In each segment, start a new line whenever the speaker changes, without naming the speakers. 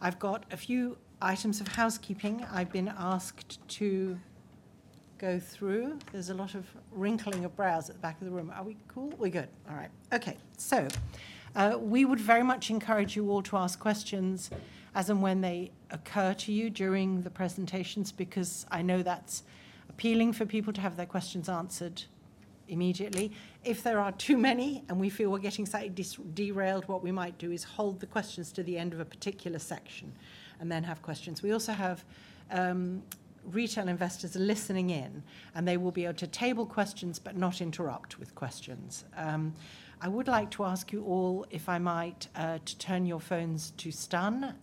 I've got a few items of housekeeping I've been asked to go through. There's a lot of wrinkling of brows at the back of the room. Are we cool? We're good. All right. Okay. We would very much encourage you all to ask questions as and when they occur to you during the presentations, because I know that's appealing for people to have their questions answered immediately. If there are too many and we feel we're getting slightly derailed, what we might do is hold the questions to the end of a particular section and then have questions. We also have retail investors listening in, and they will be able to table questions but not interrupt with questions. I would like to ask you all, if I might, to turn your phones to stun,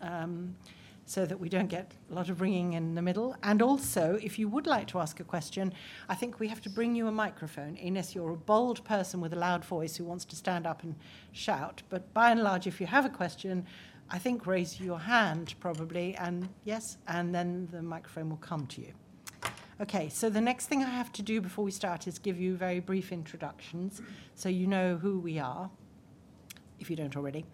so that we don't get a lot of ringing in the middle. If you would like to ask a question, I think we have to bring you a microphone, unless you're a bold person with a loud voice who wants to stand up and shout. By and large, if you have a question, I think raise your hand probably, the microphone will come to you. Okay. The next thing I have to do before we start is give you very brief introductions so you know who we are, if you don't already.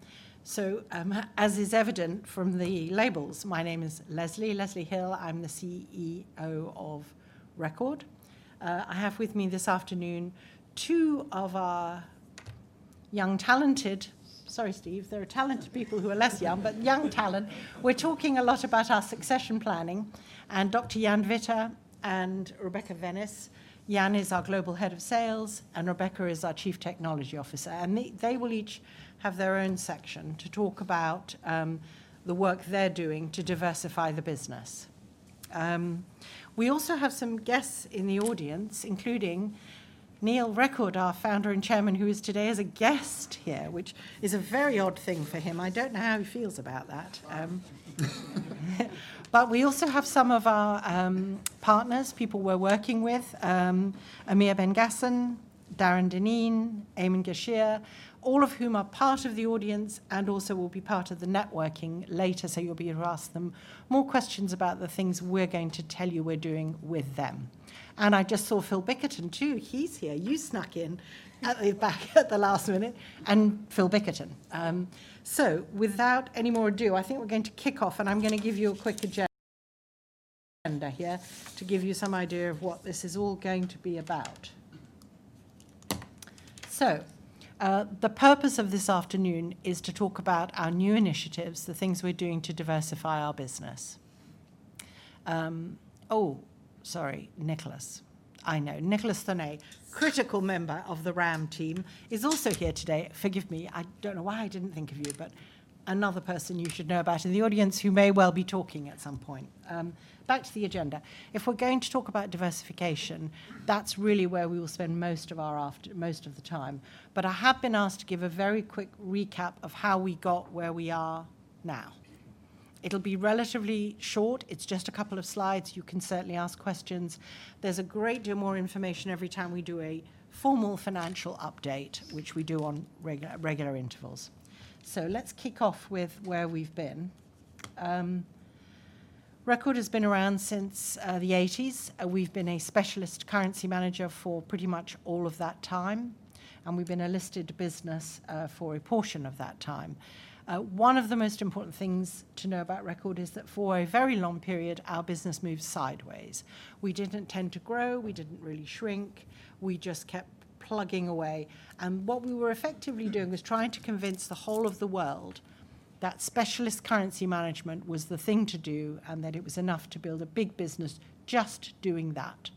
As is evident from the labels, my name is Leslie, Leslie Hill. I'm the CEO of Record. I have with me this afternoon two of our young, talented... Sorry, Steve. There are talented people who are less young, but young talent. We're talking a lot about our succession planning, and Dr. Jan Witte and Rebecca Venice. Jan is our Global Head of Sales, and Rebecca is our Chief Technology Officer. They will each have their own section to talk about the work they're doing to diversify the business. We also have some guests in the audience, including Neil Record, our Founder and Chairman, who is today as a guest here, which is a very odd thing for him. I don't know how he feels about that. We also have some of our partners, people we're working with, Amir Bengason, Darren Dineen, Eamonn Gashier, all of whom are part of the audience and also will be part of the networking later, so you'll be able to ask them more questions about the things we're going to tell you we're doing with them. I just saw Phil Bickerton too. He's here. You snuck in at the back at the last minute. Phil Bickerton. Without any more ado, I think we're going to kick off, and I'm gonna give you a quick agenda here to give you some idea of what this is all going to be about. The purpose of this afternoon is to talk about our new initiatives, the things we're doing to diversify our business. Sorry. Nicholas. I know. Nicholas Thuney, critical member of the RAM team, is also here today. Forgive me. I don't know why I didn't think of you, but another person you should know about in the audience who may well be talking at some point. Back to the agenda. If we're going to talk about diversification, that's really where we will spend most of our time. I have been asked to give a very quick recap of how we got where we are now. It'll be relatively short. It's just a couple of slides. You can certainly ask questions. There's a great deal more information every time we do a formal financial update, which we do on regular intervals. Let's kick off with where we've been. Record has been around since the '80s. We've been a specialist currency manager for pretty much all of that time, and we've been a listed business for a portion of that time. One of the most important things to know about Record is that for a very long period, our business moved sideways. We didn't tend to grow. We didn't really shrink. We just kept plugging away. What we were effectively doing was trying to convince the whole of the world that specialist currency management was the thing to do and that it was enough to build a big business just doing that.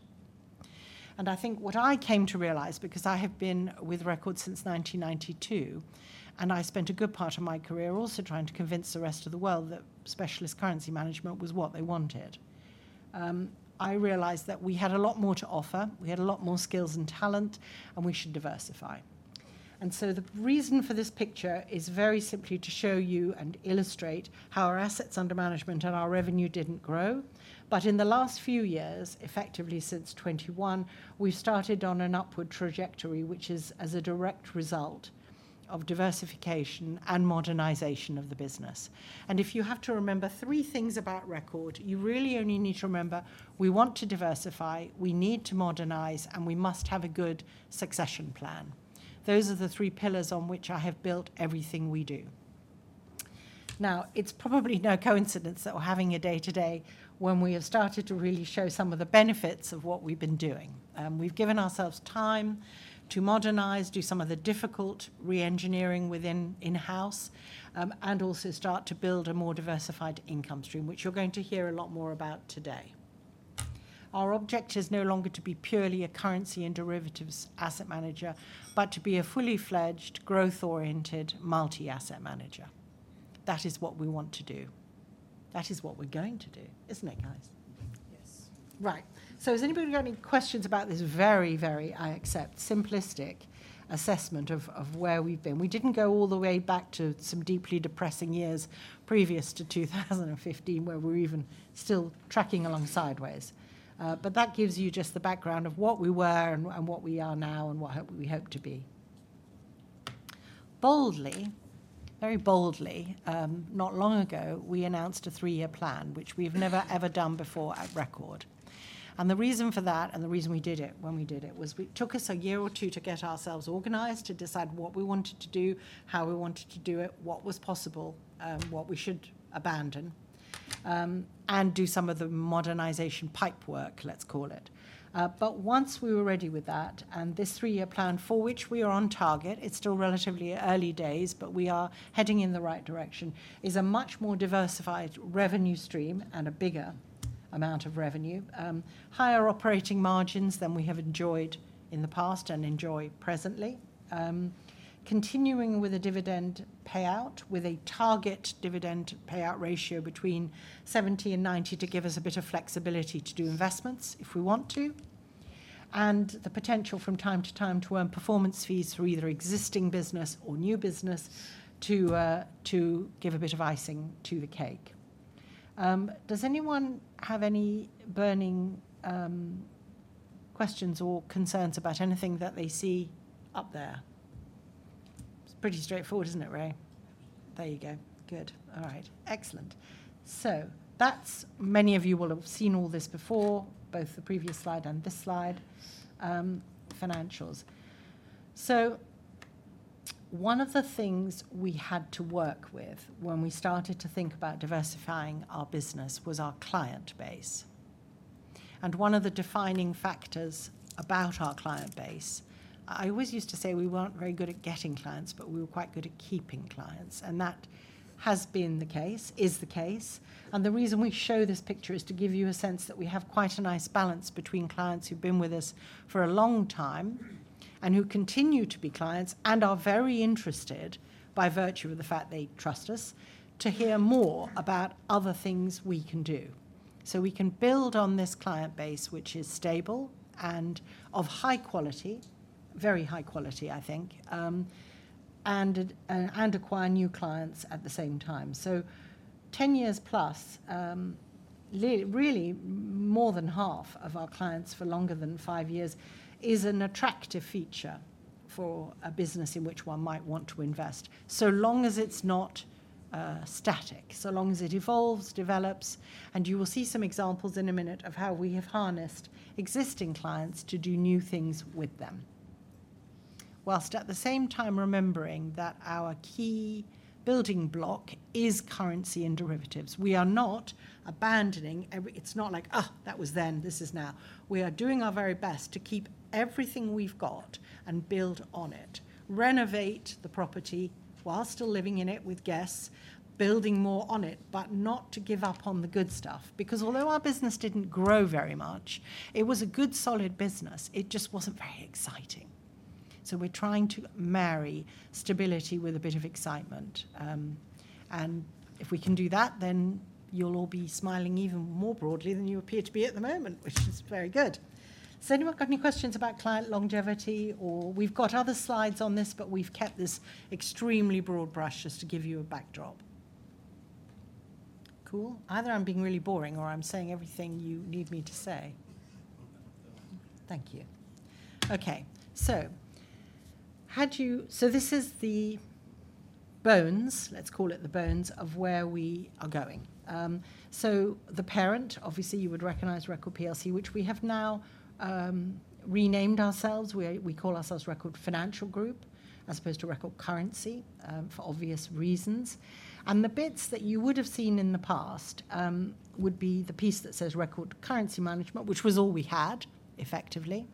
I think what I came to realize, because I have been with Record since 1992 and I spent a good part of my career also trying to convince the rest of the world that specialist currency management was what they wanted, I realized that we had a lot more to offer, we had a lot more skills and talent, and we should diversify. The reason for this picture is very simply to show you and illustrate how our assets under management and our revenue didn't grow. In the last few years, effectively since 2021, we've started on an upward trajectory, which is as a direct result of diversification and modernization of the business. If you have to remember three things about Record, you really only need to remember we want to diversify, we need to modernize, and we must have a good succession plan. Those are the three pillars on which I have built everything we do. It's probably no coincidence that we're having a day today when we have started to really show some of the benefits of what we've been doing. We've given ourselves time to modernize, do some of the difficult re-engineering within in-house, and also start to build a more diversified income stream, which you're going to hear a lot more about today. Our object is no longer to be purely a currency and derivatives asset manager, but to be a fully fledged, growth-oriented multi-asset manager. That is what we want to do. That is what we're going to do, isn't it, guys?
Yes.
Right. Does anybody have any questions about this very, very, I accept, simplistic assessment of where we've been? We didn't go all the way back to some deeply depressing years previous to 2015 where we're even still tracking along sideways. But that gives you just the background of what we were and what we are now and what hope we hope to be. Boldly, very boldly, not long ago, we announced a three-year plan, which we've never ever done before at Record. The reason for that, and the reason we did it when we did it, was it took us one or two years to get ourselves organized, to decide what we wanted to do, how we wanted to do it, what was possible, what we should abandon, and do some of the modernization pipe work, let's call it. Once we were ready with that, and this three-year plan, for which we are on target, it's still relatively early days, but we are heading in the right direction, is a much more diversified revenue stream and a bigger amount of revenue. Higher operating margins than we have enjoyed in the past and enjoy presently. Continuing with a dividend payout with a target dividend payout ratio between 70% and 90% to give us a bit of flexibility to do investments if we want to, and the potential from time to time to earn performance fees for either existing business or new business to give a bit of icing to the cake. Does anyone have any burning questions or concerns about anything that they see up there? It's pretty straightforward, isn't it, Rae?
There you go. Good.
All right. Excellent. That's... Many of you will have seen all this before, both the previous slide and this slide, financials. One of the things we had to work with when we started to think about diversifying our business was our client base. One of the defining factors about our client base, I always used to say we weren't very good at getting clients, but we were quite good at keeping clients, and that has been the case, is the case. The reason we show this picture is to give you a sense that we have quite a nice balance between clients who've been with us for a long time and who continue to be clients, and are very interested, by virtue of the fact they trust us, to hear more about other things we can do. We can build on this client base, which is stable and of high quality, very high quality, I think, and acquire new clients at the same time. 10+ years, really more than half of our clients for longer than five years, is an attractive feature for a business in which one might want to invest, so long as it's not static, so long as it evolves, develops, and you will see some examples in a minute of how we have harnessed existing clients to do new things with them. While at the same time remembering that our key building block is currency and derivatives. We are not abandoning every... It's not like, that was then, this is now. We are doing our very best to keep everything we've got and build on it, renovate the property while still living in it with guests, building more on it, but not to give up on the good stuff. Although our business didn't grow very much, it was a good, solid business. It just wasn't very exciting. We're trying to marry stability with a bit of excitement, and if we can do that, then you'll all be smiling even more broadly than you appear to be at the moment, which is very good. Has anyone got any questions about client longevity or... We've got other slides on this, but we've kept this extremely broad brush just to give you a backdrop. Cool. Either I'm being really boring or I'm saying everything you need me to say.
A little bit of both.
Thank you. Okay. This is the bones, let's call it the bones, of where we are going. The parent, obviously you would recognize Record plc, which we have now, renamed ourselves. We call ourselves Record Financial Group as opposed to Record Currency, for obvious reasons. The bits that you would have seen in the past, would be the piece that says Record Currency Management, which was all we had, effectively.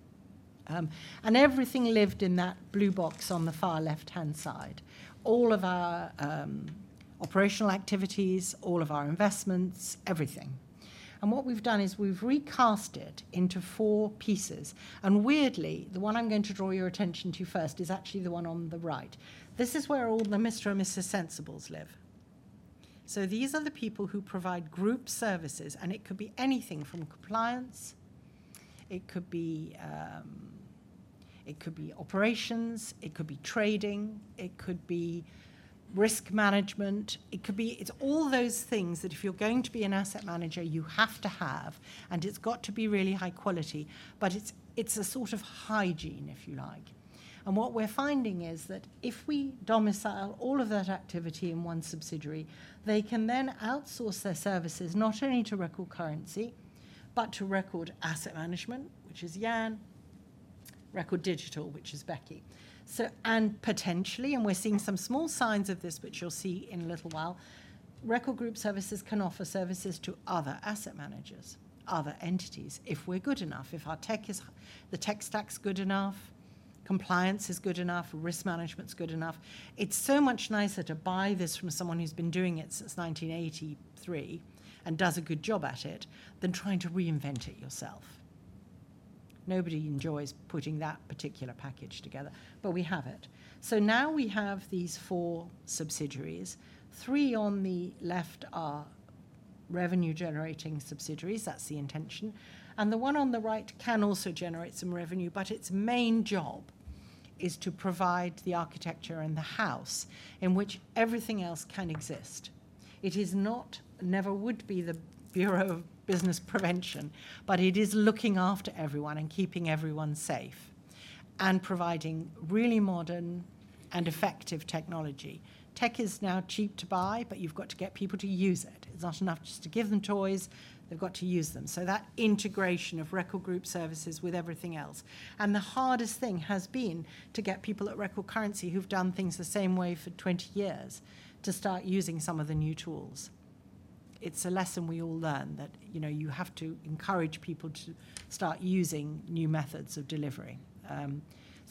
Everything lived in that blue box on the far left-hand side. All of our operational activities, all of our investments, everything. What we've done is we've recast it into four pieces, and weirdly, the one I'm going to draw your attention to first is actually the one on the right. This is where all the Mr. and Mrs. Sensibles live. These are the people who provide group services, and it could be anything from compliance, it could be operations, it could be trading, it could be risk management, it could be. It's all those things that if you're going to be an asset manager, you have to have, and it's got to be really high quality. It's, it's a sort of hygiene, if you like. What we're finding is that if we domicile all of that activity in one subsidiary, they can then outsource their services, not only to Record Currency, but to Record Asset Management, which is Jan, Record Digital, which is Becky. Potentially, and we're seeing some small signs of this, which you'll see in a little while, Record Group Services can offer services to other asset managers, other entities, if we're good enough. If our tech stack's good enough, compliance is good enough, risk management's good enough. It's so much nicer to buy this from someone who's been doing it since 1983 and does a good job at it than trying to reinvent it yourself. Nobody enjoys putting that particular package together, but we have it. Now we have these four subsidiaries. Three on the left are revenue-generating subsidiaries. That's the intention. The one on the right can also generate some revenue, but its main job is to provide the architecture and the house in which everything else can exist. It is not, never would be the Bureau of Business Prevention, but it is looking after everyone and keeping everyone safe and providing really modern and effective technology. Tech is now cheap to buy, but you've got to get people to use it. It's not enough just to give them toys, they've got to use them. That integration of Record Group Services with everything else. The hardest thing has been to get people at Record Currency who've done things the same way for 20 years to start using some of the new tools. It's a lesson we all learn that, you know, you have to encourage people to start using new methods of delivering.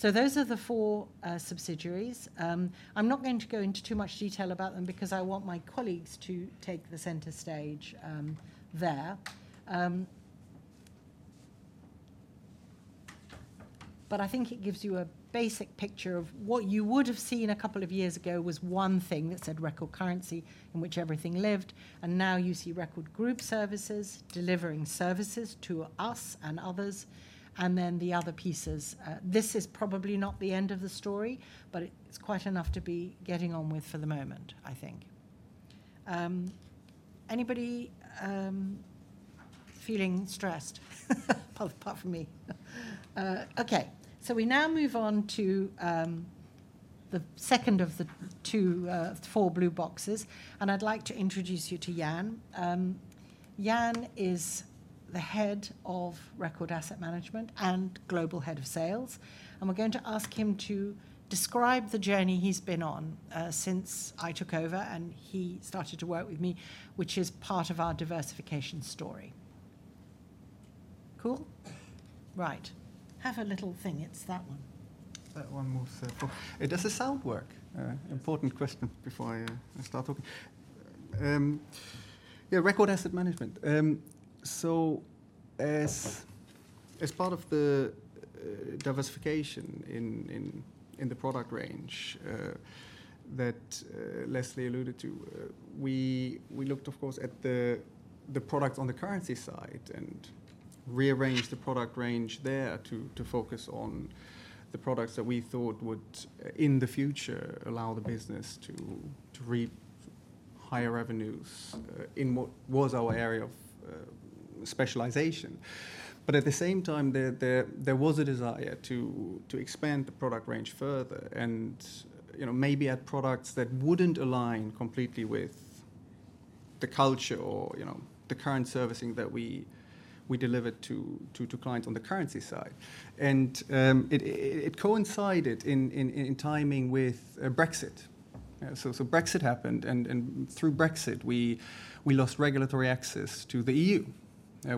Those are the four subsidiaries. I'm not going to go into too much detail about them because I want my colleagues to take the center stage there. I think it gives you a basic picture of what you would have seen a couple of years ago was one thing that said Record Currency in which everything lived, and now you see Record Group Services delivering services to us and others, and then the other pieces. This is probably not the end of the story, but it's quite enough to be getting on with for the moment, I think. Anybody feeling stressed apart from me? Okay. We now move on to the second of the two four blue boxes, and I'd like to introduce you to Jan. Jan is the head of Record Asset Management and Global Head of Sales, and we're going to ask him to describe the journey he's been on since I took over and he started to work with me, which is part of our diversification story. Cool? Right. Have a little thing. It's that one.
That one moves. Does the sound work? Important question before I start talking. Yeah, Record Asset Management. So as as part of the diversification in the product range that Leslie alluded to, we looked of course at the product on the currency side and rearranged the product range there to focus on the products that we thought would in the future allow the business to reap higher revenues in what was our area of specialization. At the same time, there was a desire to expand the product range further and, you know, maybe add products that wouldn't align completely with the culture or, you know, the current servicing that we delivered to clients on the currency side. It coincided in timing with Brexit. Brexit happened and through Brexit, we lost regulatory access to the EU,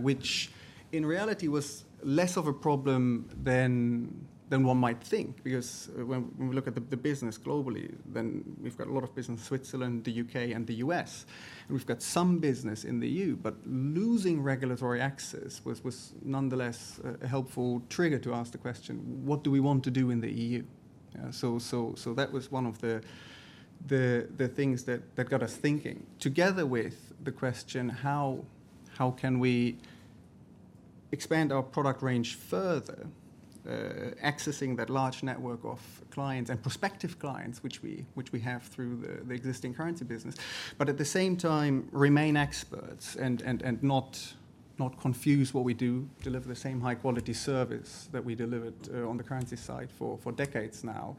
which in reality was less of a problem than one might think because when we look at the business globally, then we've got a lot of business in Switzerland, the U.K., and the U.S., and we've got some business in the EU. Losing regulatory access was nonetheless a helpful trigger to ask the question, what do we want to do in the EU? That was one of the things that got us thinking, together with the question how can we expand our product range further, accessing that large network of clients and prospective clients which we have through the existing currency business, but at the same time remain experts and not confuse what we do, deliver the same high quality service that we delivered on the currency side for decades now,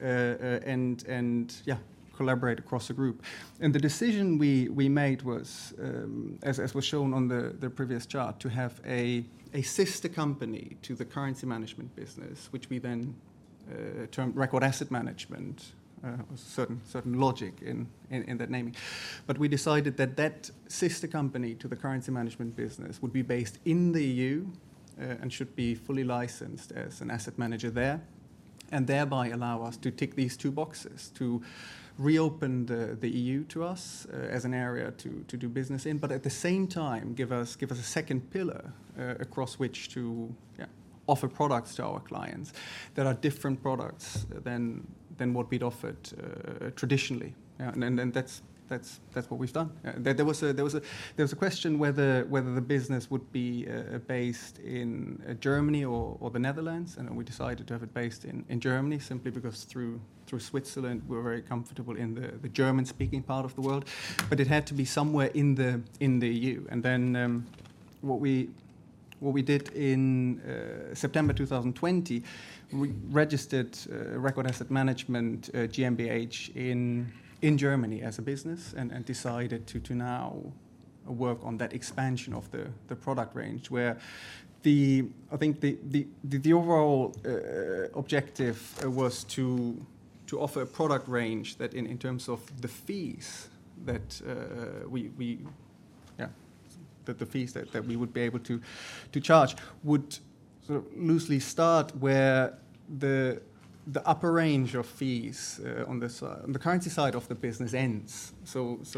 and yeah, collaborate across the group. The decision we made was as was shown on the previous chart, to have a sister company to the currency management business, which we then termed Record Asset Management. Certain logic in that naming. We decided that sister company to the currency management business would be based in the EU and should be fully licensed as an asset manager there, and thereby allow us to tick these two boxes to reopen the EU to us as an area to do business in, but at the same time, give us a second pillar across which to offer products to our clients that are different products than what we'd offered traditionally. That's what we've done. There was a question whether the business would be based in Germany or the Netherlands, and we decided to have it based in Germany simply because through Switzerland, we're very comfortable in the German-speaking part of the world, but it had to be somewhere in the EU. Then what we did in September 2020, we registered Record Asset Management GmbH in Germany as a business and decided to now work on that expansion of the product range. I think the overall objective was to offer a product range that in terms of the fees that we... The fees that we would be able to charge would sort of loosely start where the upper range of fees on the currency side of the business ends.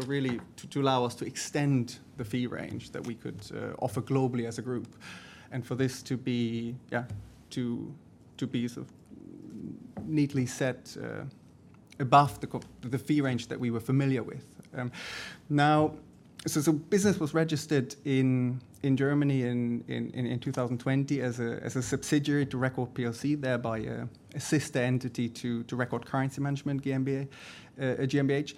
Really to allow us to extend the fee range that we could offer globally as a group, and for this to be sort of neatly set above the fee range that we were familiar with. Business was registered in Germany in 2020 as a subsidiary to Record plc, thereby a sister entity to Record Currency Management GmbH,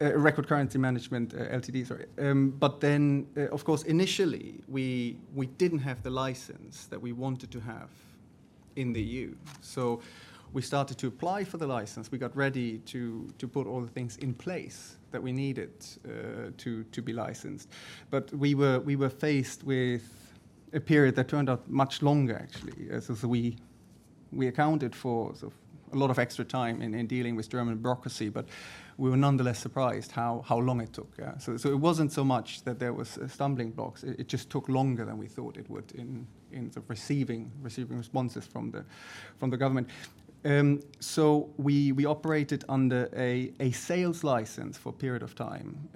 Record Currency Management Limited, sorry. Of course, initially we didn't have the license that we wanted to have in the EU. We started to apply for the license. We got ready to put all the things in place that we needed to be licensed. We were faced with a period that turned out much longer actually. We accounted for sort of a lot of extra time in dealing with German bureaucracy, but we were nonetheless surprised how long it took. It wasn't so much that there was stumbling blocks. It just took longer than we thought it would in receiving responses from the government. We operated under a sales license for a period of time,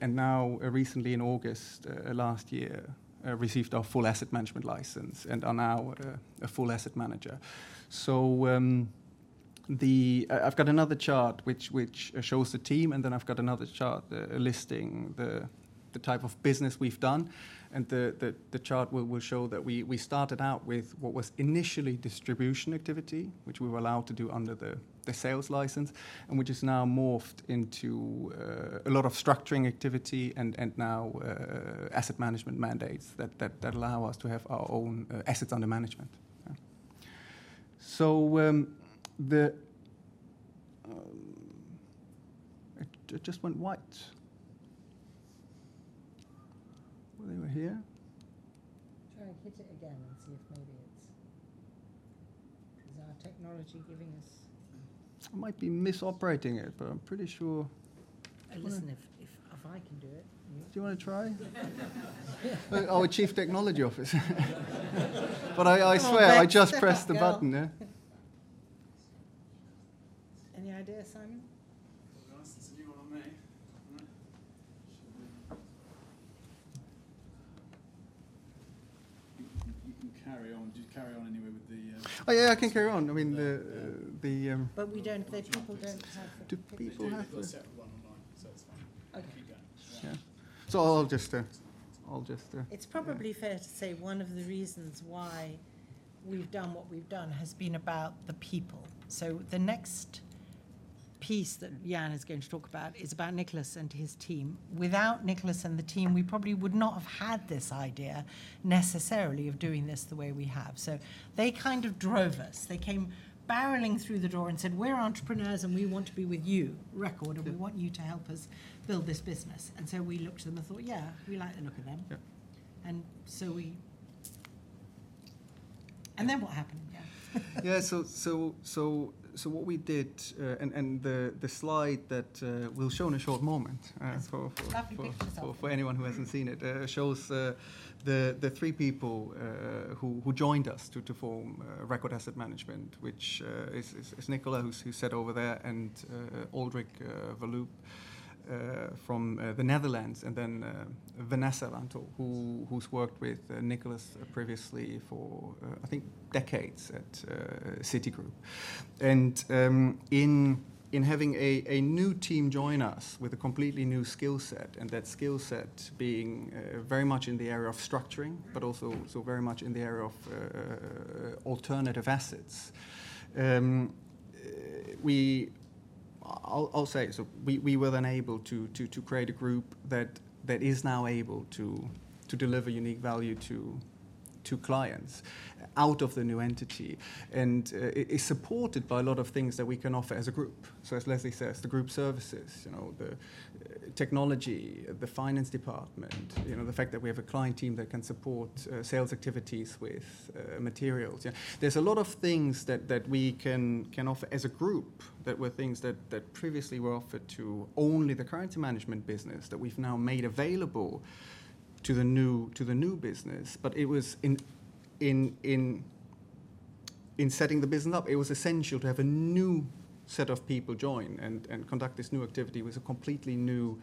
and now recently in August last year, received our full asset management license and are now a full asset manager. I've got another chart which shows the team. I've got another chart listing the type of business we've done. The chart will show that we started out with what was initially distribution activity, which we were allowed to do under the sales license, which has now morphed into a lot of structuring activity and now asset management mandates that allow us to have our own assets under management. Yeah. The... It just went white. Well, they were here.
Try and hit it again and see if maybe it's... Is our technology giving us...
I might be misoperating it, but I'm pretty sure...
Listen, if I can do it.
Do you wanna try? Our Chief Technology Officer. I swear-
Go on.
I just pressed the button, yeah.
Any idea, Simon?
Well, it's a new one on me. All right. You can carry on. Just carry on anyway with the...
Yeah, I can carry on. I mean.
The people don't have the...
Do people have?
They do. They've got separate one online, so it's fine.
Okay. If you don't. Right.
Yeah. I'll just, yeah.
It's probably fair to say one of the reasons why we've done what we've done has been about the people. The next piece that Jan is going to talk about is about Nicholas and his team. Without Nicholas and the team, we probably would not have had this idea necessarily of doing this the way we have. They kind of drove us. They came barreling through the door and said, "We're entrepreneurs, and we want to be with you, Record.
Yeah.
We want you to help us build this business. We looked at them and thought, "Yeah, we like the look of them.
Yeah.
What happened, Jan?
Yeah, so what we did, and the slide that, we'll show in a short moment.
Yes.
...for.
Lovely pictures of.
For anyone who hasn't seen it, shows the three people who joined us to form Record Asset Management, which is Nicholas who sat over thereand Alaric van Doorn from the Netherlands and then Vanessa Lantol who's worked with Nicholas previously for I think decades at Citigroup. In having a new team join us with a completely new skill set, and that skill set being very much in the area of structuring, but also, so very much in the area of alternative assets, I'll say it. We were then able to create a group that is now able to deliver unique value to clients out of the new entity, and is supported by a lot of things that we can offer as a group. As Leslie says, the group services, you know, the technology, the finance department, you know, the fact that we have a client team that can support sales activities with materials, yeah. There's a lot of things that we can offer as a group that previously were offered to only the currency management business that we've now made available to the new business. It was in setting the business up, it was essential to have a new set of people join and conduct this new activity with a completely new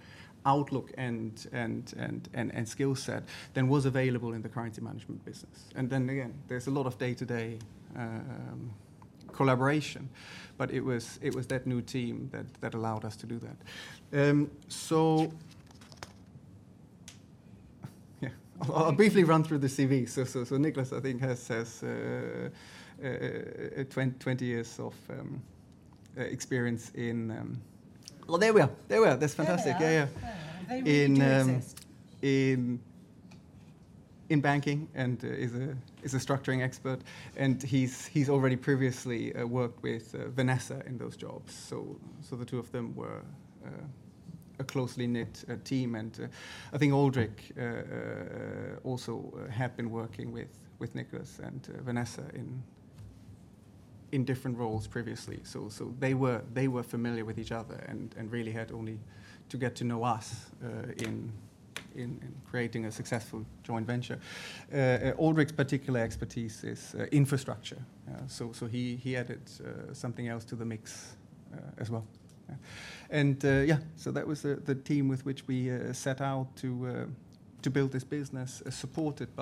outlook and skill set than was available in the currency management business. Then again, there's a lot of day-to-day collaboration, but it was that new team that allowed us to do that. Yeah. I'll briefly run through the CV. Nicholas, I think has 20 years of experience in. Oh, there we are. That's fantastic.
There they are.
Yeah, yeah.
Yeah. They made it to exist.
In banking, is a structuring expert. He's already previously worked with Vanessa in those jobs. The two of them were a closely knit team. I think Aldrick also had been working with Nicholas and Vanessa in different roles previously. They were familiar with each other. Really had only to get to know us in creating a successful joint venture. Aldrick's particular expertise is infrastructure. He added something else to the mix as well. Yeah. Yeah, that was the team with which we set out to build this business, supported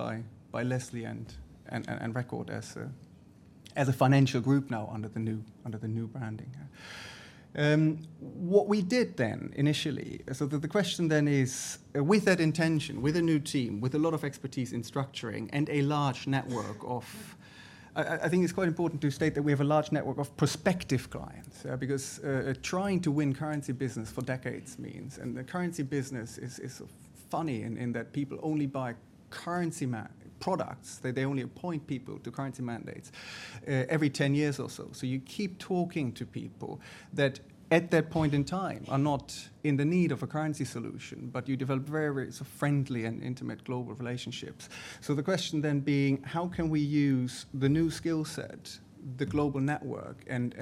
by Leslie and Record as a Financial Group now under the new branding. What we did initially... The question is, with that intention, with a new team, with a lot of expertise in structuring and a large network of... I think it's quite important to state that we have a large network of prospective clients, becauhe trying to win currency business for decades means, and the currency business is funny in that people only buy currency products. They only appoint people to currency mandates every 10 years or so. You keep talking to people that at that point in time are not in the need of a currency solution, but you develop very, sort of friendly and intimate global relationships. The question then being: how can we use the new skill set, the global network, and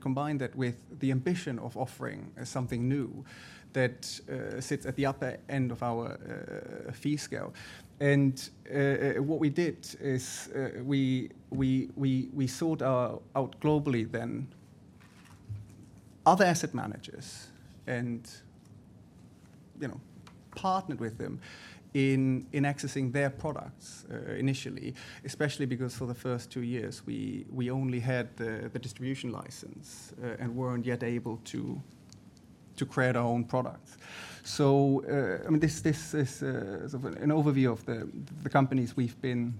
combine that with the ambition of offering something new that sits at the upper end of our fee scale? What we did is, we sought out globally then other asset managers and, you know, partnered with them in accessing their products initially, especially because for the first two years, we only had the distribution license and weren't yet able to create our own products. I mean, this is sort of an overview of the companies we've been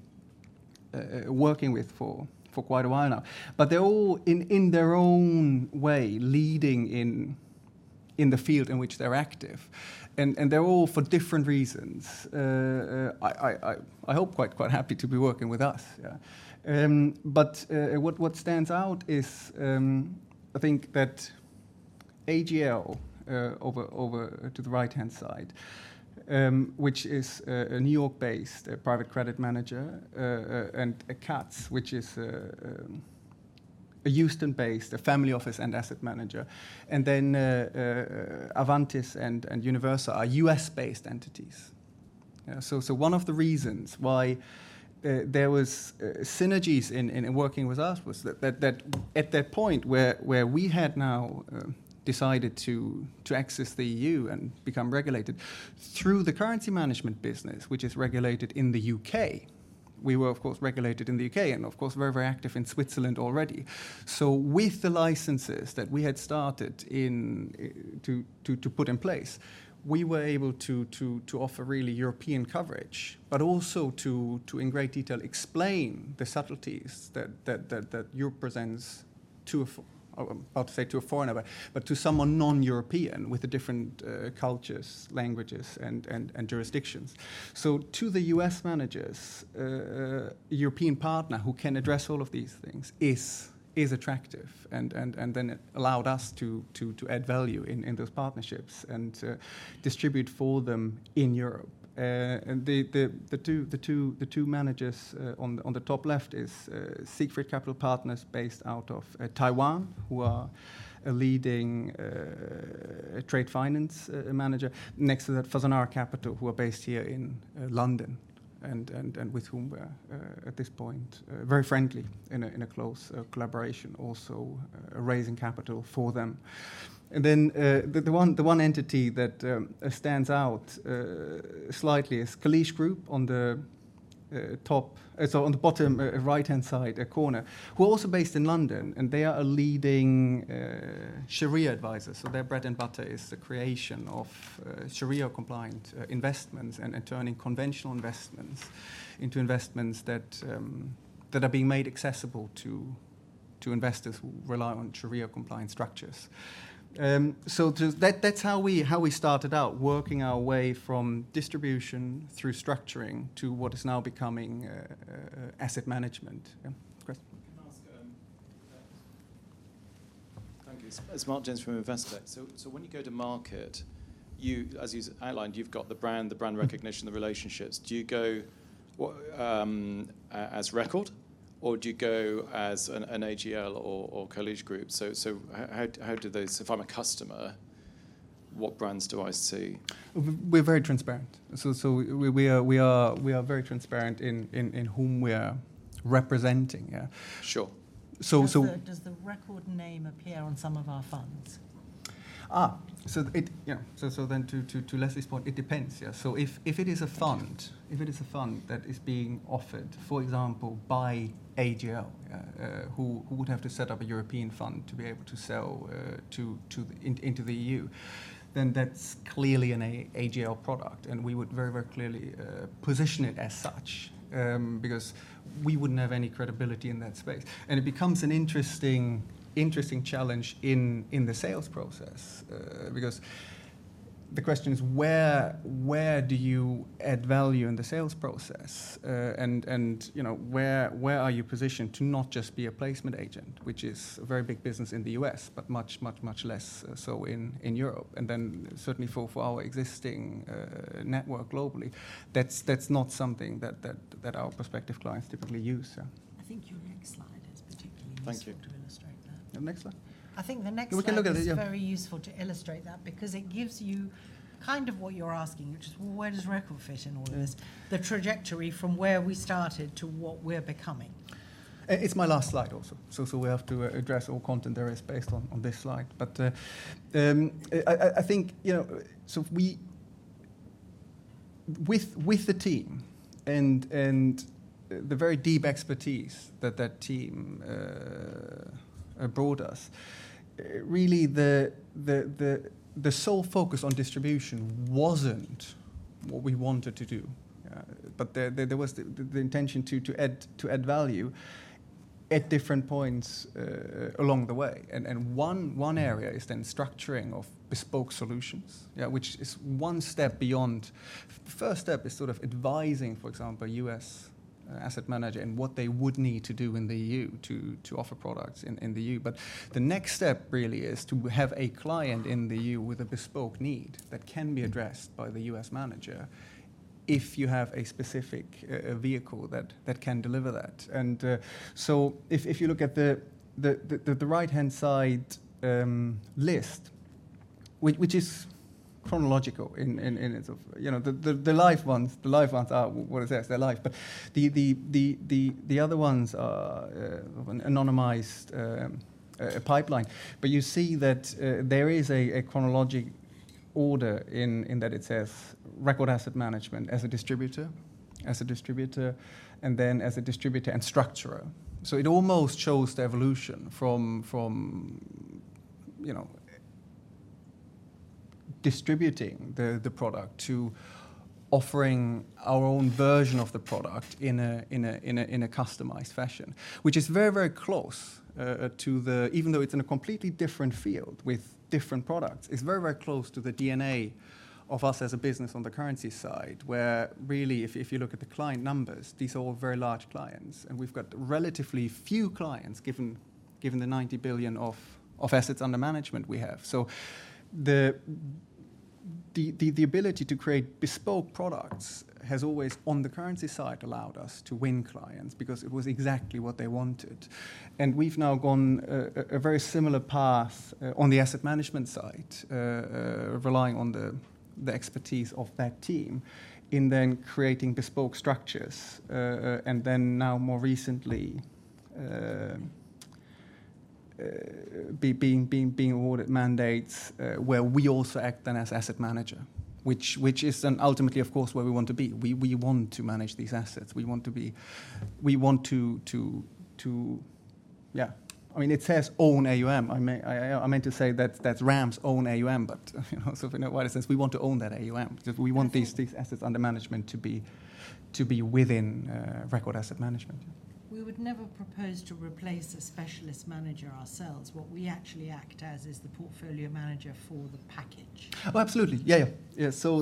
working with for quite a while now. They're all in their own way, leading in the field in which they're active, and they're all for different reasons, I hope quite happy to be working with us, yeah. What stands out is, I think that AGL, over to the right-hand side, which is a New York-based private credit manager, and ACATS, which is a Houston-based family office and asset manager, and then Avantis and Universal are U.S.-based entities. One of the reasons why there was synergies in working with us was that at that point where we had now decided to access the EU and become regulated through the currency management business, which is regulated in the U.K. We were, of course, regulated in the U.K. and of course, very active in Switzerland already. With the licenses that we had started to put in place, we were able to offer really European coverage, but also to in great detail explain the subtleties that Europe presents to a foreigner, but to someone non-European with the different cultures, languages, and jurisdictions. To the U.S. managers, a European partner who can address all of these things is attractive and then it allowed us to add value in those partnerships and distribute for them in Europe. The two managers on the top left is Siegfried Capital Partners based out of Taiwan, who are a leading trade finance manager. Next to that, Fasanara Capital, who are based here in London and with whom we're at this point very friendly in a close collaboration also raising capital for them. The one entity that stands out slightly is Khalij Group on the bottom right-hand side corner, who are also based in London, and they are a leading Sharia advisor. Their bread and butter is the creation of Sharia-compliant investments and turning conventional investments into investments that are being made accessible to investors who rely on Sharia-compliant structures. That's how we started out working our way from distribution through structuring to what is now becoming asset management. Yeah, Chris?
Can I ask? Thank you. It's Mark Jones from Investec. When you go to market, you, as you outlined, you've got the brand, the brand recognition, the relationships. Do you go, what, as Record or do you go as an AGL or Khalij Group? If I'm a customer, what brands do I see?
We're very transparent. We are very transparent in whom we are representing. Yeah.
Sure.
So, so-
Does the Record name appear on some of our funds?
Then to Leslie's point, it depends. If it is a fund that is being offered, for example, by AGL, who would have to set up a European fund to be able to sell into the EU, then that's clearly an AGL product, and we would very clearly position it as such, because we wouldn't have any credibility in that space. It becomes an interesting challenge in the sales process, because the question is: Where do you add value in the sales process? And, you know, where are you positioned to not just be a placement agent, which is a very big business in the U.S., but much less so in Europe. Certainly for our existing network globally, that's not something that our prospective clients typically use. Yeah.
I think your next slide is particularly useful.
Thank you....
to illustrate that.
The next slide?
I think the next slide-
We can look at it. Yeah.
is very useful to illustrate that because it gives you kind of what you're asking, which is where does Record fit in all of this? The trajectory from where we started to what we're becoming.
It's my last slide also. we have to address all content there is based on this slide. I think, you know, with the team and the very deep expertise that team brought us, really the sole focus on distribution wasn't what we wanted to do. there was the intention to add value at different points along the way. one area is then structuring of bespoke solutions. Yeah, which is one step beyond. The first step is sort of advising, for example, U.S. asset manager in what they would need to do in the EU to offer products in the EU. The next step really is to have a client in the EU with a bespoke need that can be addressed by the U.S. manager if you have a specific vehicle that can deliver that. If you look at the right-hand side list, which is chronological in its. You know, the live ones are what it says, they're live. The other ones are an anonymized pipeline. You see that there is a chronological order in that it says Record Asset Management as a distributor, as a distributor, and then as a distributor and structurer. It almost shows the evolution from, you know, distributing the product to offering our own version of the product in a customized fashion. Even though it's in a completely different field with different products, it's very, very close to the DNA of us as a business on the currency side, where really if you look at the client numbers, these are all very large clients. We've got relatively few clients given the 90 billion of assets under management we have. The ability to create bespoke products has always, on the currency side, allowed us to win clients because it was exactly what they wanted. We've now gone a very similar path on the asset management side, relying on the expertise of that team in then creating bespoke structures, and then now more recently, being awarded mandates, where we also act then as asset manager, which is then ultimately, of course, where we want to be. We want to manage these assets. We want to be... We want to... Yeah. I mean, it says own AUM. I meant to say that that's RAM's own AUM, but, you know, so if anybody says we want to own that AUM, because we want these assets under management to be within Record Asset Management.
We would never propose to replace a specialist manager ourselves. What we actually act as is the portfolio manager for the package.
Oh, absolutely. Yeah, so,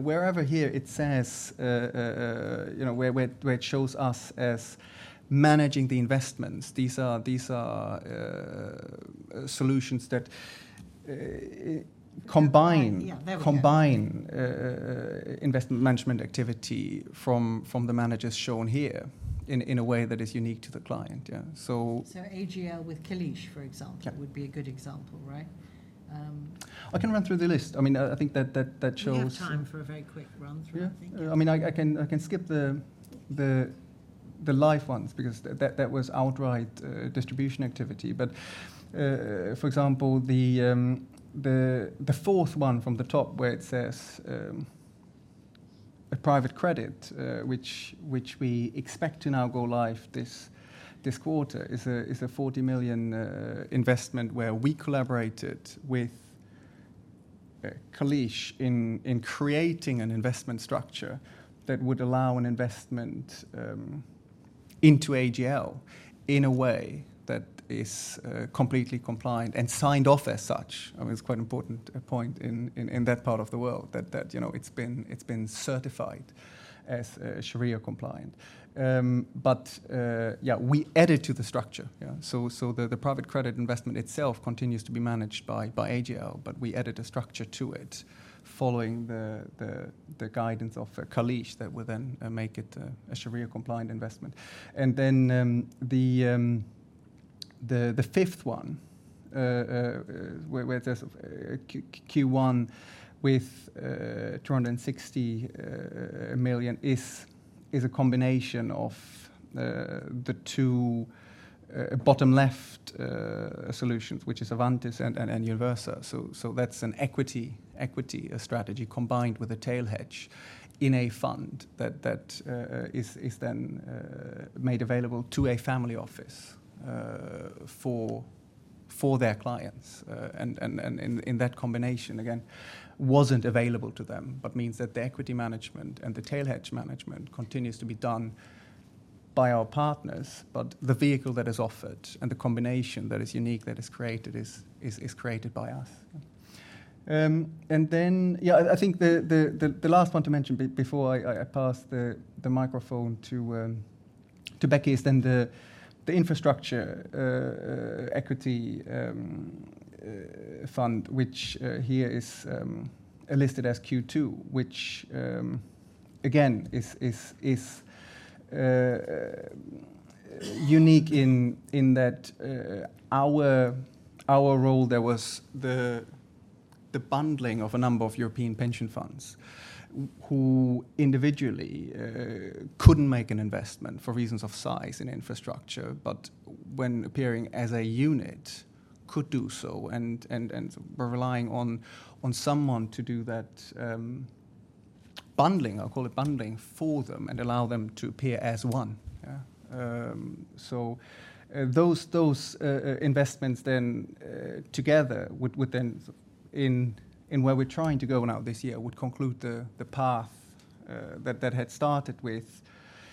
wherever here it says, you know, where it shows us as managing the investments, these are solutions that.
Yeah, there we go....
combine, investment management activity from the managers shown here in a way that is unique to the client. Yeah.
AGL with Khalij, for example.
Yeah...
would be a good example, right?
I can run through the list. I mean, I think that.
We have time for a very quick run through, I think. Yeah.
Yeah. I mean, I can skip the live ones because that was outright distribution activity. For example, the fourth one from the top where it says a private credit, which we expect to now go live this quarter, is a 40 million investment where we collaborated with Khalij in creating an investment structure that would allow an investment into AGL in a way that is completely compliant and signed off as such. I mean, it's quite an important point in that part of the world that, you know, it's been certified as Sharia-compliant. Yeah, we added to the structure. The private credit investment itself continues to be managed by AGL, but we added a structure to it following the guidance of Khalij that would then make it a Sharia-compliant investment. The fifth one, where it says Q1 with $260 million, is a combination of the two bottom left solutions, which is Avantis and Universal. That's an equity strategy combined with a tail hedge in a fund that is then made available to a family office for their clients. In that combination, again, wasn't available to them, but means that the equity management and the tail hedge management continues to be done by our partners. The vehicle that is offered and the combination that is unique, that is created is created by us. Yeah, I think the last one to mention before I pass the microphone to Becky is the infrastructure equity fund, which here is listed as Q2, which again is unique in that our role there was the bundling of a number of European pension funds who individually couldn't make an investment for reasons of size and infrastructure. When appearing as a unit could do so, and we're relying on someone to do that bundling, I'll call it bundling, for them and allow them to appear as one. Yeah. Those investments then together would then in where we're trying to go now this year would conclude the path that had started with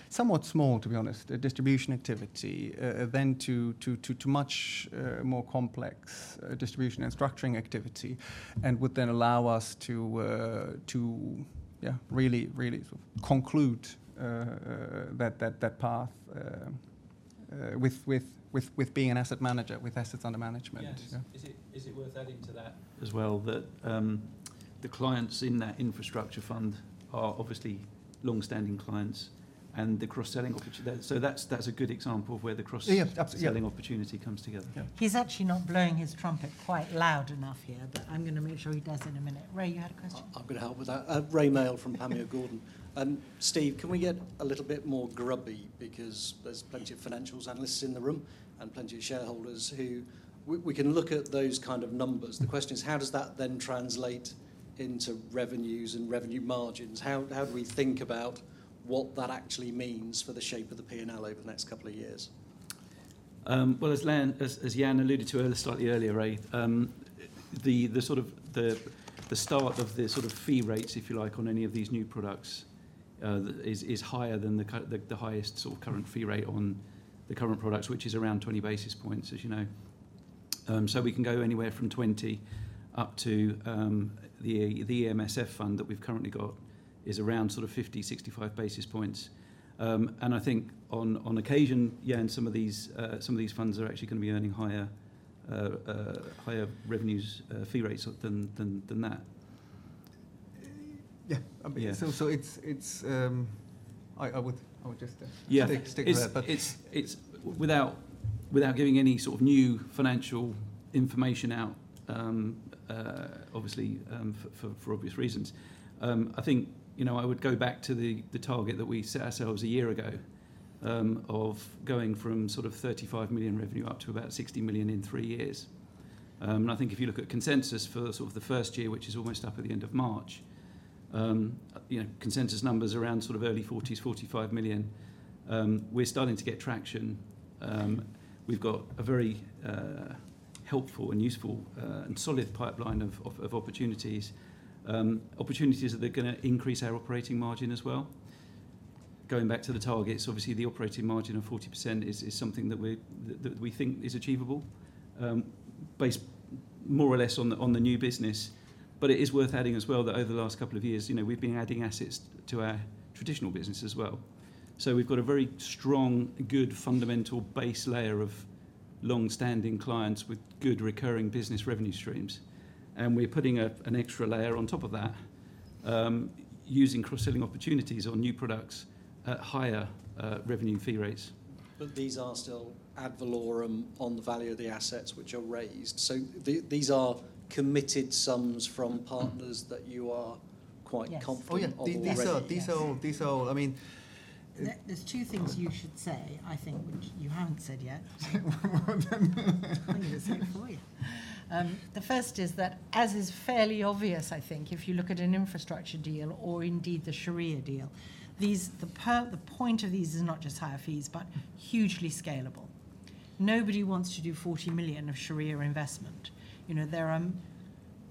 somewhat small, to be honest, a distribution activity then to much more complex distribution and structuring activity and would then allow us to, yeah, really conclude that path with being an asset manager with assets under management.
Yes.
Yeah. Is it worth adding to that as well that the clients in that infrastructure fund are obviously longstanding clients and the cross-selling opportunity. That's a good example of where the selling opportunity comes together. Yeah.
He's actually not blowing his trumpet quite loud enough here, but I'm gonna make sure he does in a minute. Rae, you had a question?
I'm gonna help with that. Rae Maile from Panmure Gordon. Steve, can we get a little bit more grubby? Because there's plenty of financial analysts in the room and plenty of shareholders who we can look at those kind of numbers. The question is how does that then translate into revenues and revenue margins? How do we think about what that actually means for the shape of the P&L over the next couple of years?
Well, as Lan, as Jan alluded to slightly earlier, Rae, the sort of the start of the sort of fee rates, if you like, on any of these new products, is higher than the highest sort of current fee rate on the current products, which is around 20 basis points, as you know. We can go anywhere from 20 up to the EMSF fund that we've currently got is around sort of 50, 65 basis points. I think on occasion, yeah, and some of these, some of these funds are actually gonna be earning higher revenues, fee rates than that.
Yeah.
Yeah.
it's, I would just.
Yeah....
stick with that.
It's without giving any sort of new financial information out, obviously, for obvious reasons, I think, you know, I would go back to the target that we set ourselves a year ago of going from sort of 35 million revenue up to about 60 million in three years. I think if you look at consensus for sort of the first year, which is almost up at the end of March, you know, consensus number's around sort of early 40 millions, 45 million. We're starting to get traction. We've got a very helpful and useful and solid pipeline of opportunities. Opportunities that are gonna increase our operating margin as well. Going back to the targets, obviously the operating margin of 40% is something that we're that we think is achievable, based more or less on the new business. It is worth adding as well that over the last couple of years, you know, we've been adding assets to our traditional business as well. We've got a very strong, good fundamental base layer of longstanding clients with good recurring business revenue streams, and we are putting an extra layer on top of that, using cross-selling opportunities on new products at higher revenue fee rates. These are still ad valorem on the value of the assets which are raised. These are committed sums from partners that you are quite confident of already.
Yes.
Oh, yeah. These are... I mean
There, there's 2 things you should say, I think, which you haven't said yet.
What then?
I'm gonna say it for you. The first is that, as is fairly obvious, I think, if you look at an infrastructure deal or indeed the Sharia deal, these, the point of these is not just higher fees, but hugely scalable. Nobody wants to do 40 million of Sharia investment. You know, there are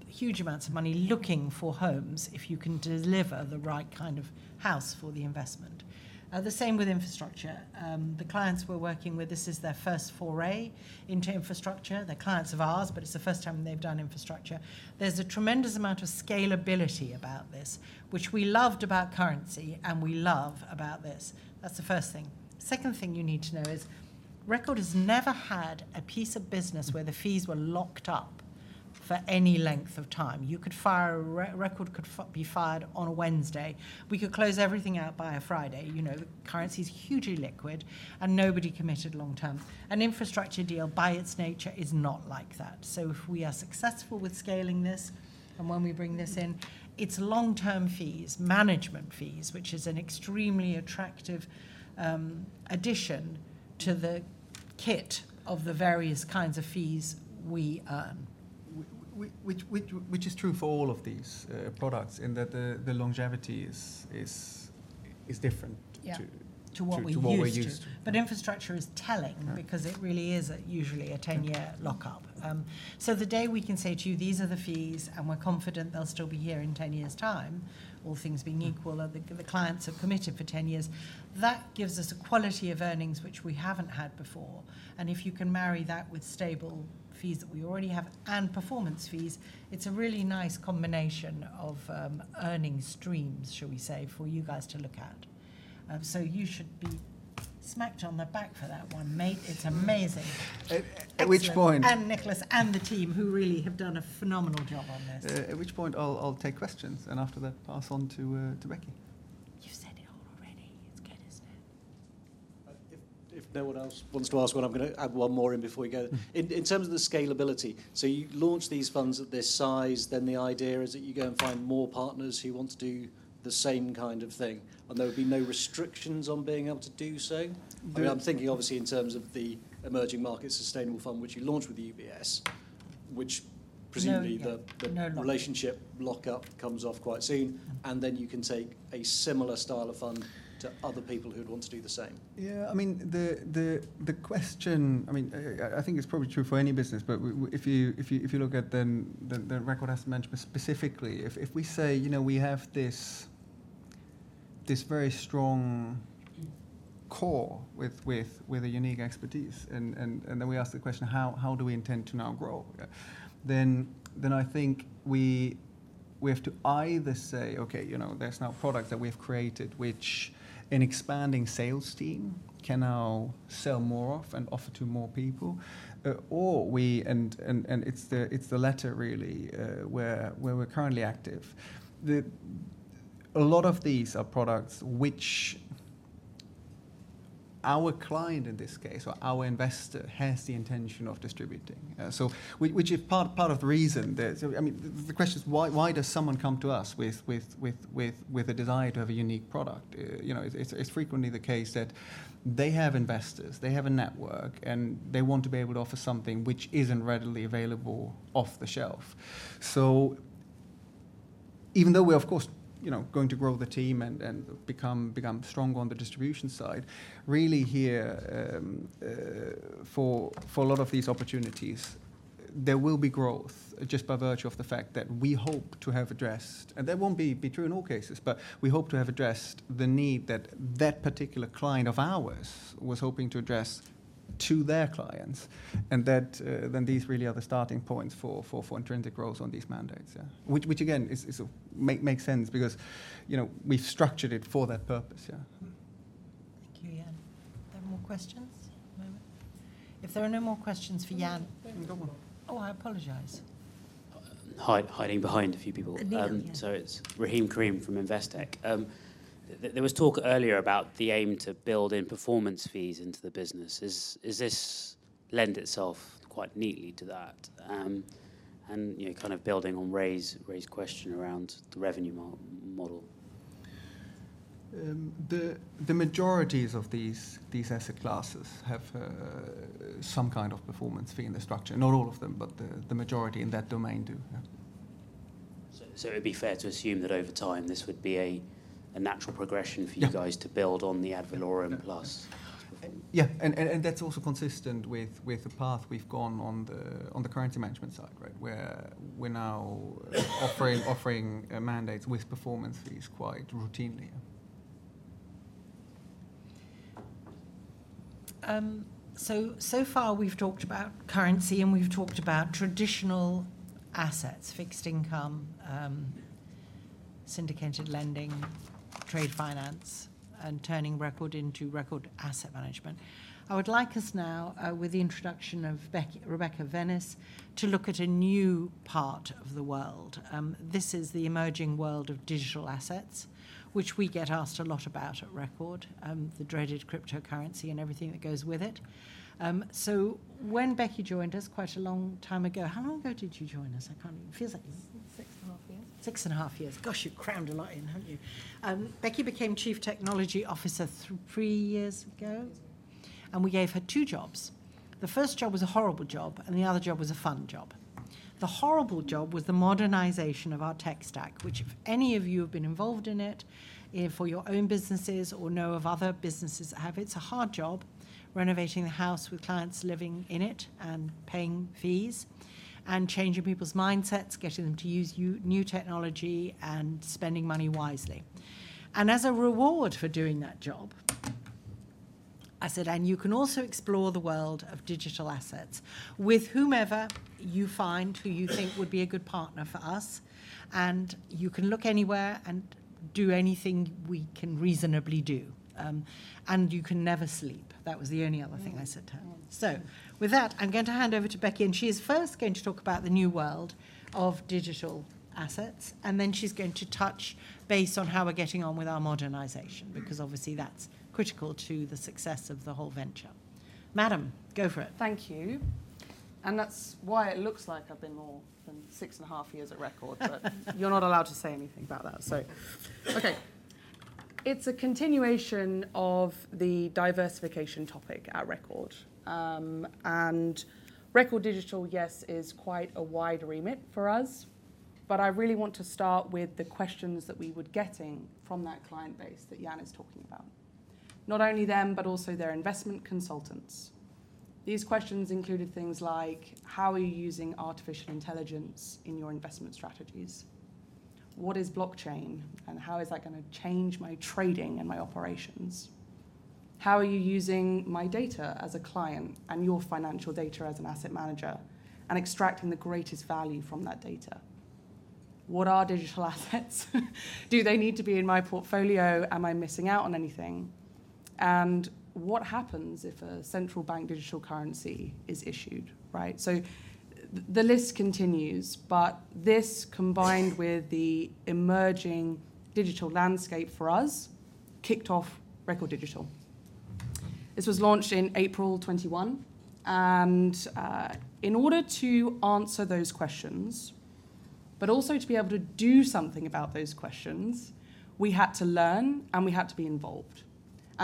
huge amounts of money looking for homes if you can deliver the right kind of house for the investment. The same with infrastructure. The clients we're working with, this is their first foray into infrastructure. They're clients of ours, but it's the first time they've done infrastructure. There's a tremendous amount of scalability about this, which we loved about currency, and we love about this. That's the first thing. Second thing you need to know is Record has never had a piece of business where the fees were locked up for any length of time. You could fire Record could be fired on a Wednesday. We could close everything out by a Friday. You know, the currency's hugely liquid and nobody committed long term. An infrastructure deal, by its nature, is not like that. If we are successful with scaling this, and when we bring this in, it's long-term fees, management fees, which is an extremely attractive addition to the kit of the various kinds of fees we earn.
Which is true for all of these products in that the longevity is different.
Yeah, to what we're used to....
to what we're used to.
Infrastructure is.
Right...
because it really is, usually a 10-year lockup. The day we can say to you, "These are the fees, and we're confident they'll still be here in 10 years' time, all things being equal, the clients have committed for 10 years," that gives us a quality of earnings which we haven't had before. If you can marry that with stable fees that we already have and performance fees, it's a really nice combination of earning streams, shall we say, for you guys to look at. You should be smacked on the back for that one, mate. It's amazing.
At which point-
Excellent. Nicholas and the team, who really have done a phenomenal job on this.
At which point I'll take questions, and after that pass on to Becky.
You've said it all already. It's good, isn't it?
If no one else wants to ask one, I'm gonna add one more in before we go.
Mm-hmm.
In terms of the scalability, so you launch these funds at this size, then the idea is that you go and find more partners who want to do the same kind of thing, and there would be no restrictions on being able to do so?
I mean-
I mean, I'm thinking obviously in terms of the Emerging Market Sustainable Fund, which you launched with UBS. Which presumably. No lock....
the relationship lockup comes off quite soon. You can take a similar style of fund to other people who'd want to do the same.
Yeah, I mean, the question, I mean, I think it's probably true for any business, but if you look at then the Record Asset Management specifically, if we say, you know, we have this very strong core with a unique expertise and then we ask the question, how do we intend to now grow? I think we have to either say, okay, you know, there's now product that we've created which an expanding sales team can now sell more of and offer to more people, or we. It's the latter really, where we're currently active. A lot of these are products which our client in this case, or our investor, has the intention of distributing. Which is part of the reason that. I mean, the question is why does someone come to us with a desire to have a unique product? You know, it's frequently the case that they have investors, they have a network, and they want to be able to offer something which isn't readily available off the shelf. Even though we're, of course, you know, going to grow the team and become stronger on the distribution side, really here, for a lot of these opportunities, there will be growth just by virtue of the fact that we hope to have addressed. That won't be true in all cases, but we hope to have addressed the need that particular client of ours was hoping to address to their clients, and that, then these really are the starting points for intrinsic roles on these mandates. Again is a makes sense because, you know, we've structured it for that purpose.
Thank you, Jan. Are there more questions at the moment? If there are no more questions for Jan.
There is one more.
Oh, I apologize.
Hiding behind a few people.
Neil, yeah.
It's Rahim Karim from Investec. There was talk earlier about the aim to build in performance fees into the business. Is this lend itself quite neatly to that? You know, kind of building on Rae's question around the revenue model.
The majorities of these asset classes have some kind of performance fee in the structure. Not all of them, but the majority in that domain do. Yeah.
It'd be fair to assume that over time this would be a natural progression for you guys.
Yeah....
to build on the ad valorem plus
Yeah. That's also consistent with the path we've gone on the currency management side, right? Where we're now offering mandates with performance fees quite routinely.
So far we've talked about currency, and we've talked about traditional assets, fixed income, syndicated lending, trade finance, and turning Record into Record Asset Management. I would like us now, with the introduction of Rebecca Venice, to look at a new part of the world. This is the emerging world of digital assets, which we get asked a lot about at Record, the dreaded cryptocurrency and everything that goes with it. When Becky joined us quite a long time ago. How long ago did you join us? I can't even. It feels like.
6.5 years.
Six and a half years. Gosh, you've crammed a lot in, haven't you? Becky became Chief Technology Officer three years ago.
Yes.
We gave her two jobs. The first job was a horrible job, and the other job was a fun job. The horrible job was the modernization of our tech stack, which if any of you have been involved in it, for your own businesses or know of other businesses that have, it's a hard job renovating the house with clients living in it, and paying fees, and changing people's mindsets, getting them to use new technology and spending money wisely. As a reward for doing that job, I said, "You can also explore the world of digital assets with whomever you find who you think would be a good partner for us, and you can look anywhere and do anything we can reasonably do. And you can never sleep." That was the only other thing I said to her.
Yeah.
With that, I'm going to hand over to Becky, and she is first going to talk about the new world of digital assets, and then she's going to touch base on how we're getting on with our modernization, because obviously that's critical to the success of the whole venture. Madam, go for it.
Thank you. That's why it looks like I've been more than six and a half years at Record. You're not allowed to say anything about that. Okay. It's a continuation of the diversification topic at Record. Record Digital, yes, is quite a wide remit for us, but I really want to start with the questions that we were getting from that client base that Jan is talking about. Not only them, but also their investment consultants. These questions included things like, how are you using artificial intelligence in your investment strategies? What is blockchain, and how is that going to change my trading and my operations? How are you using my data as a client and your financial data as an asset manager, and extracting the greatest value from that data? What are digital assets? Do they need to be in my portfolio? Am I missing out on anything? What happens if a central bank digital currency is issued, right? The list continues, but this combined with the emerging digital landscape for us kicked off Record Digital. This was launched in April 2021. In order to answer those questions, also to be able to do something about those questions, we had to learn and we had to be involved.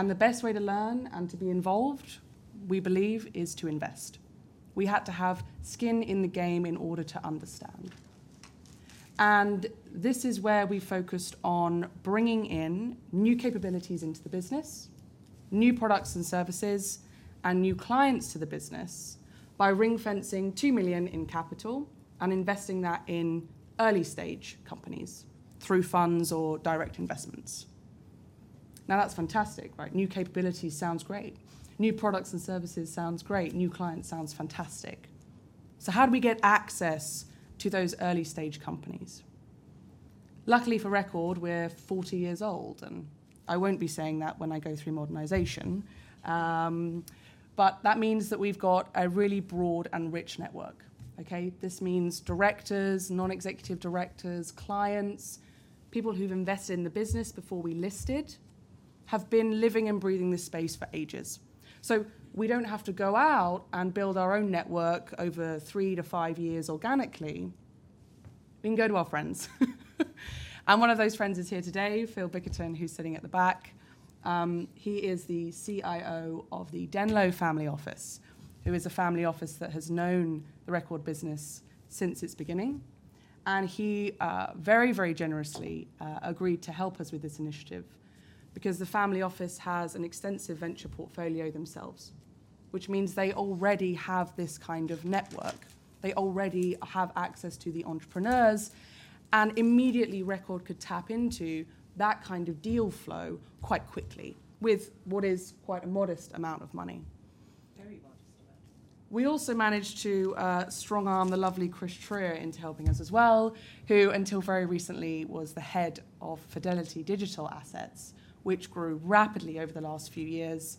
The best way to learn and to be involved, we believe, is to invest. We had to have skin in the game in order to understand. This is where we focused on bringing in new capabilities into the business, new products and services, and new clients to the business by ring-fencing 2 million in capital and investing that in early-stage companies through funds or direct investments. Now, that's fantastic, right? New capabilities sounds great. New products and services sounds great. New clients sounds fantastic. How do we get access to those early-stage companies? Luckily for Record, we're 40 years old, and I won't be saying that when I go through modernization. That means that we've got a really broad and rich network, okay? This means directors, non-executive directors, clients, people who've invested in the business before we listed, have been living and breathing this space for ages. We don't have to go out and build our own network over three to five years organically, we can go to our friends. One of those friends is here today, Phil Bickerton, who's sitting at the back. He is the CIO of the Denlow Family Office, who is a family office that has known the Record business since its beginning, and he, very, very generously, agreed to help us with this initiative because the family office has an extensive venture portfolio themselves, which means they already have this kind of network. They already have access to the entrepreneurs, and immediately Record could tap into that kind of deal flow quite quickly with what is quite a modest amount of money.
Very modest amount.
We also managed to strong arm the lovely Chris Trier into helping us as well, who until very recently was the head of Fidelity Digital Assets, which grew rapidly over the last few years.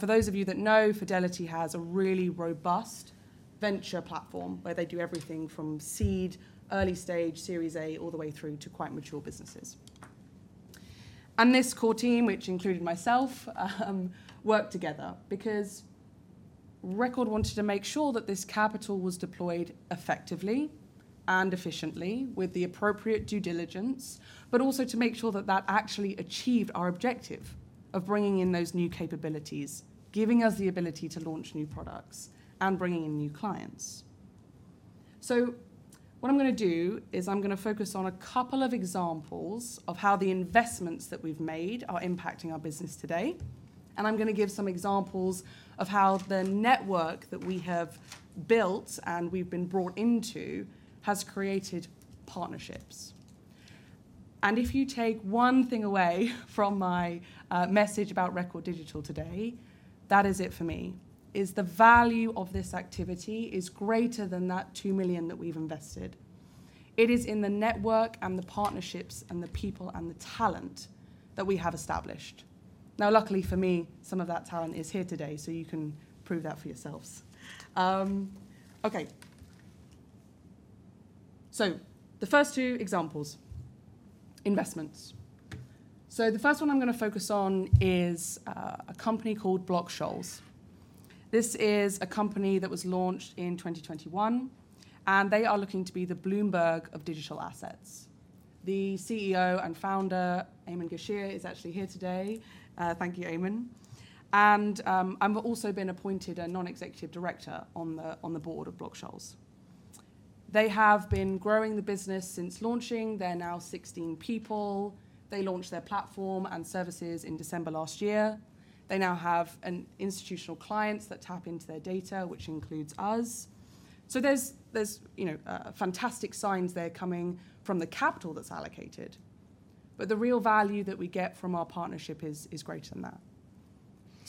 For those of you that know, Fidelity has a really robust venture platform where they do everything from seed, early stage, series A, all the way through to quite mature businesses. This core team, which included myself, worked together because Record wanted to make sure that this capital was deployed effectively and efficiently with the appropriate due diligence, but also to make sure that that actually achieved our objective of bringing in those new capabilities, giving us the ability to launch new products, and bringing in new clients. What I'm gonna do is I'm gonna focus on a couple of examples of how the investments that we've made are impacting our business today, and I'm gonna give some examples of how the network that we have built and we've been brought into has created partnerships. If you take one thing away from my message about Record Digital today, that is it for me, is the value of this activity is greater than that 2 million that we've invested. It is in the network and the partnerships and the people and the talent that we have established. Now luckily for me, some of that talent is here today, so you can prove that for yourselves. Okay. The first two examples, investments. The first one I'm gonna focus on is a company called Block Scholes. This is a company that was launched in 2021, and they are looking to be the Bloomberg of digital assets. The CEO and Founder, Eamonn Gashier, is actually here today. Thank you, Eamonn. I've also been appointed a non-executive director on the board of Block Scholes. They have been growing the business since launching. They're now 16 people. They launched their platform and services in December last year. They now have an institutional clients that tap into their data, which includes us. There's, you know, fantastic signs there coming from the capital that's allocated. The real value that we get from our partnership is greater than that.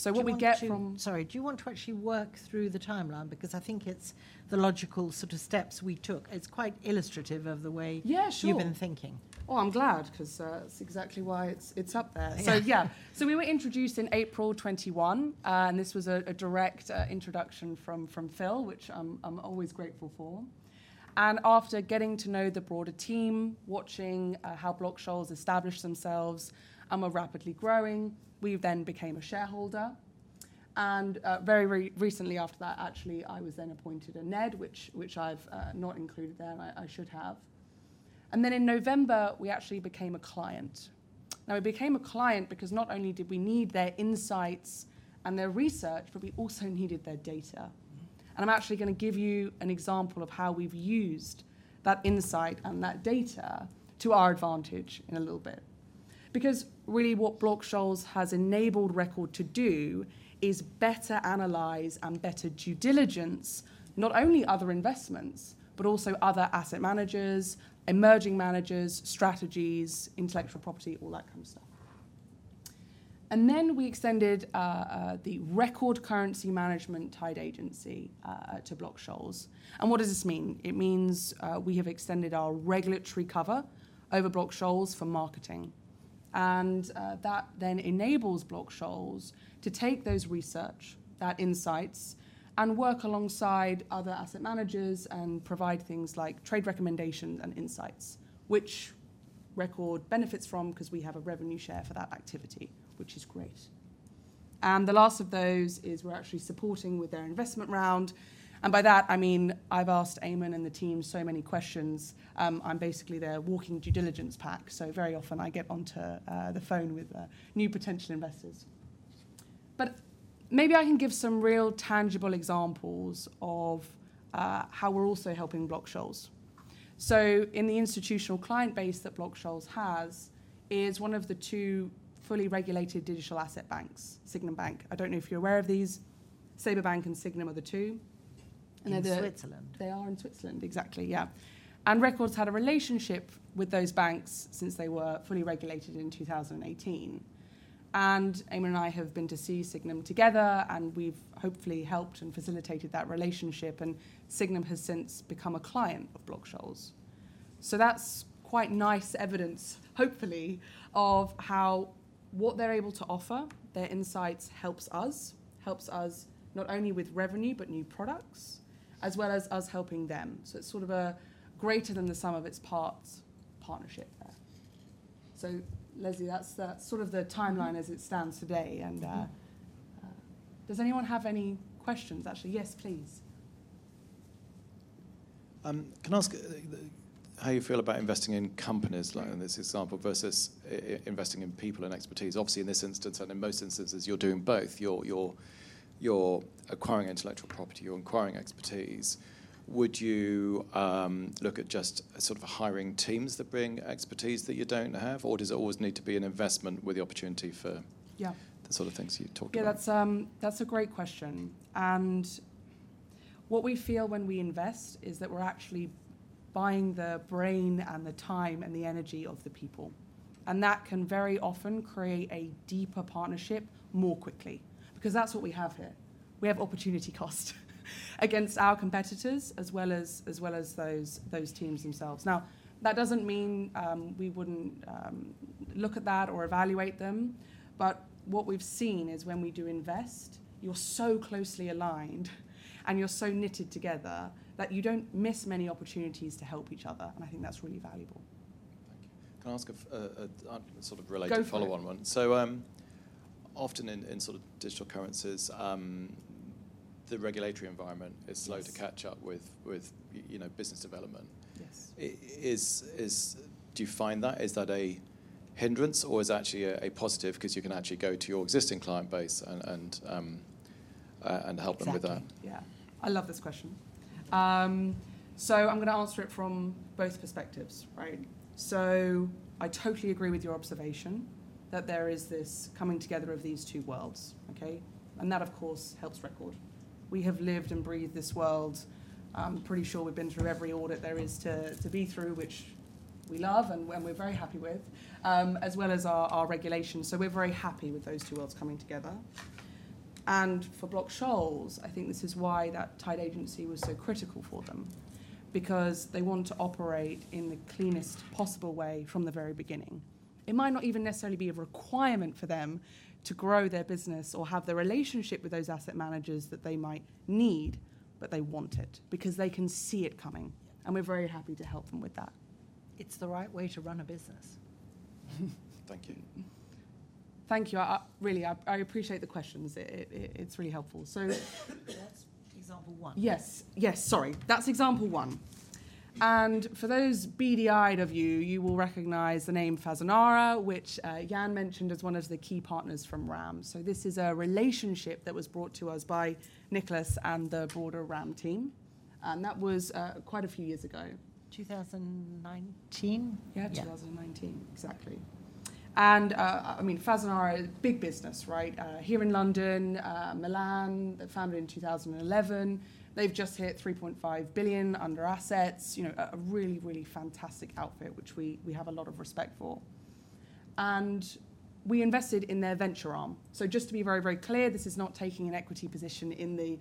What we get from-
Sorry. Do you want to actually work through the timeline? I think it's the logical sort of steps we took. It's quite illustrative of the way.
Yeah, sure.
You've been thinking.
Oh, I'm glad 'cause, that's exactly why it's up there.
Yeah.
Yeah, we were introduced in April 2021, and this was a direct introduction from Phil, which I'm always grateful for. After getting to know the broader team, watching how Block Scholes established themselves and were rapidly growing, we then became a shareholder. Very recently after that actually, I was then appointed a NED, which I've not included there and I should have. In November, we actually became a client. We became a client because not only did we need their insights and their research, but we also needed their data. I'm actually gonna give you an example of how we've used that insight and that data to our advantage in a little bit. Really what Block Scholes has enabled Record to do is better analyze and better due diligence not only other investments, but also other asset managers, emerging managers, strategies, intellectual property, all that kind of stuff. We extended the Record Currency Management tied agency to Block Scholes. What does this mean? It means we have extended our regulatory cover over Block Scholes for marketing. That then enables Block Scholes to take those research, that insights, and work alongside other asset managers and provide things like trade recommendations and insights, which Record benefits from 'cause we have a revenue share for that activity, which is great. The last of those is we're actually supporting with their investment round. By that, I mean, I've asked Eamonn and the team so many questions. I'm basically their walking due diligence pack, so very often I get onto the phone with new potential investors. Maybe I can give some real tangible examples of how we're also helping Block Scholes. In the institutional client base that Block Scholes has is one of the two fully regulated digital asset banks, Sygnum Bank. I don't know if you're aware of these. SEBA Bank and Sygnum are the two.
In Switzerland.
They are in Switzerland, exactly, yeah. Record's had a relationship with those banks since they were fully regulated in 2018. Eamonn and I have been to see Sygnum together, and we've hopefully helped and facilitated that relationship, and Sygnum has since become a client of Block Scholes. That's quite nice evidence, hopefully, of how what they're able to offer, their insights helps us not only with revenue, but new products, as well as us helping them. It's sort of a greater than the sum of its parts partnership there. Leslie, that's the sort of the timeline as it stands today. Does anyone have any questions, actually? Yes, please.
Can I ask how you feel about investing in companies like in this example versus investing in people and expertise? Obviously, in this instance, and in most instances, you're doing both. You're acquiring intellectual property, you're acquiring expertise. Would you look at just sort of hiring teams that bring expertise that you don't have, or does it always need to be an investment with the opportunity?
Yeah.
The sort of things you talked about?
Yeah, that's a great question. What we feel when we invest is that we're actually buying the brain and the time and the energy of the people, and that can very often create a deeper partnership more quickly, because that's what we have here. We have opportunity cost against our competitors as well as those teams themselves. Now, that doesn't mean we wouldn't look at that or evaluate them, but what we've seen is when we do invest, you're so closely aligned and you're so knitted together that you don't miss many opportunities to help each other, and I think that's really valuable.
Thank you. Can I ask a sort of related follow-on one?
Go for it.
Often in sort of digital currencies, the regulatory environment is slow-
Yes....
to catch up with, you know, business development.
Yes.
Do you find that? Is that a hindrance or is it actually a positive 'cause you can actually go to your existing client base and help them with that?
Exactly, yeah. I love this question. I'm gonna answer it from both perspectives, right? I totally agree with your observation that there is this coming together of these two worlds, okay? That, of course, helps Record. We have lived and breathed this world. I'm pretty sure we've been through every audit there is to be through, which we love and we're very happy with, as well as our regulations. We're very happy with those two worlds coming together. For Block Scholes, I think this is why that tied agency was so critical for them, because they want to operate in the cleanest possible way from the very beginning. It might not even necessarily be a requirement for them to grow their business or have the relationship with those asset managers that they might need. They want it because they can see it coming. We're very happy to help them with that.
It's the right way to run a business.
Thank you.
Thank you. I really appreciate the questions. It's really helpful.
That's example one.
Yes. Yes, sorry. That's example one. For those beady-eyed of you will recognize the name Fasanara, which Jan mentioned as one of the key partners from RAM. This is a relationship that was brought to us by Nicholas and the broader RAM team, and that was quite a few years ago.
2019?
Yeah.
Yeah.
2019, exactly. I mean, Fasanara, big business, right? here in London, Milan. They founded in 2011. They've just hit 3.5 billion under assets. You know, a really, really fantastic outfit which we have a lot of respect for. We invested in their venture arm. Just to be very, very clear, this is not taking an equity position in the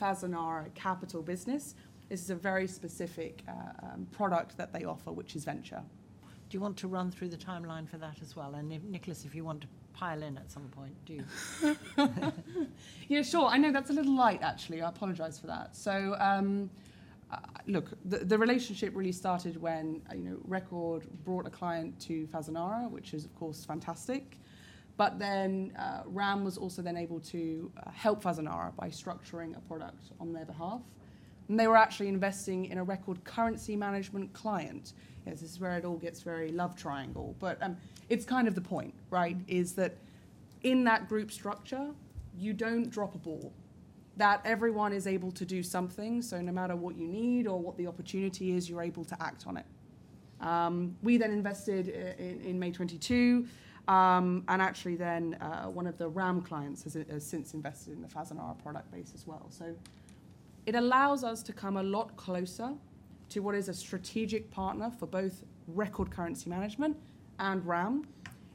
Fasanara Capital business. This is a very specific product that they offer, which is venture.
Do you want to run through the timeline for that as well? Nicholas, if you want to pile in at some point, do.
Yeah, sure. I know that's a little light, actually. I apologize for that. Look, the relationship really started when, you know, Record brought a client to Fasanara, which is of course fantastic. RAM was also then able to help Fasanara by structuring a product on their behalf, and they were actually investing in a Record Currency Management client. This is where it all gets very love triangle, but it's kind of the point, right? Is that in that group structure, you don't drop a ball, that everyone is able to do something, so no matter what you need or what the opportunity is, you're able to act on it. We then invested in May 2022, and actually then, one of the RAM clients has since invested in the Fasanara product base as well. It allows us to come a lot closer to what is a strategic partner for both Record Currency Management and RAM.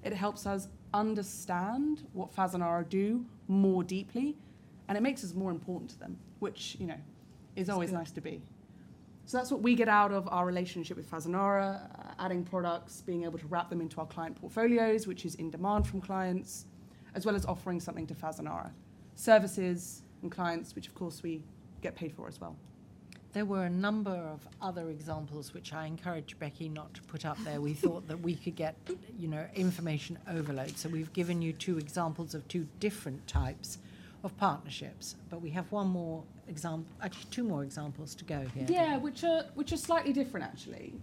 It helps us understand what Fasanara do more deeply, and it makes us more important to them, which, you know, is always nice to be. That's what we get out of our relationship with Fasanara, adding products, being able to wrap them into our client portfolios, which is in demand from clients, as well as offering something to Fasanara, services and clients, which of course we get paid for as well.
There were a number of other examples which I encourage Becky not to put up there. We thought that we could get, you know, information overload, so we've given you two examples of two different types of partnerships. We have one more actually two more examples to go here.
Yeah, which are slightly different actually.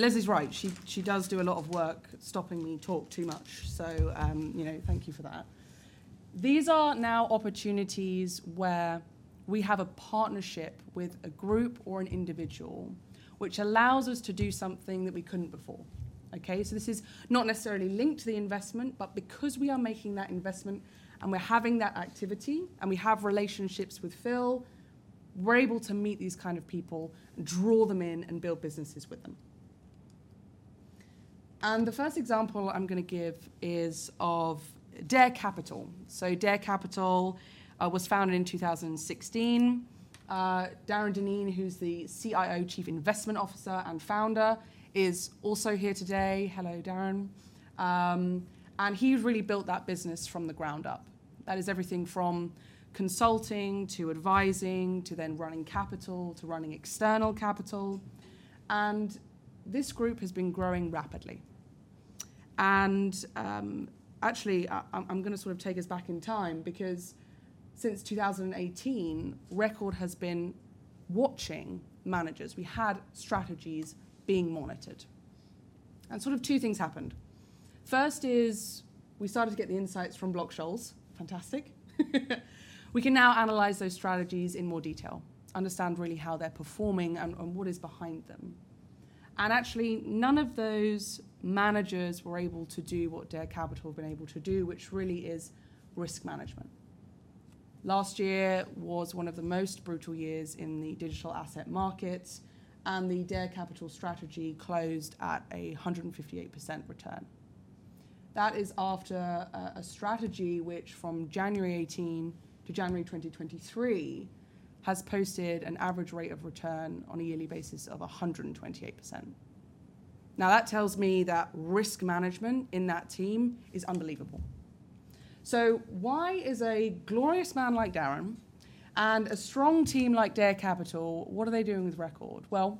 Leslie's right. She does do a lot of work stopping me talk too much, you know, thank you for that. These are now opportunities where we have a partnership with a group or an individual which allows us to do something that we couldn't before, okay? This is not necessarily linked to the investment, but because we are making that investment and we're having that activity, and we have relationships with Phil, we're able to meet these kind of people, draw them in, and build businesses with them. The first example I'm gonna give is of Dare Capital. Dare Capital was founded in 2016. Darren Dineen, who's the CIO, Chief Investment Officer, and founder is also here today. Hello, Darren. He really built that business from the ground up. That is everything from consulting to advising, to then running capital, to running external capital, and this group has been growing rapidly. Actually, I'm gonna sort of take us back in time because since 2018, Record has been watching managers. We had strategies being monitored, and sort of two things happened. First is we started to get the insights from Block Scholes. Fantastic. We can now analyze those strategies in more detail, understand really how they're performing and what is behind them. Actually, none of those managers were able to do what Dare Capital have been able to do, which really is risk management. Last year was one of the most brutal years in the digital asset markets, and the Dare Capital strategy closed at 158% return. That is after a strategy which from January 2018-January 2023 has posted an average rate of return on a yearly basis of 128%. That tells me that risk management in that team is unbelievable. Why is a glorious man like Darren and a strong team like Dare Capital, what are they doing with Record? Well,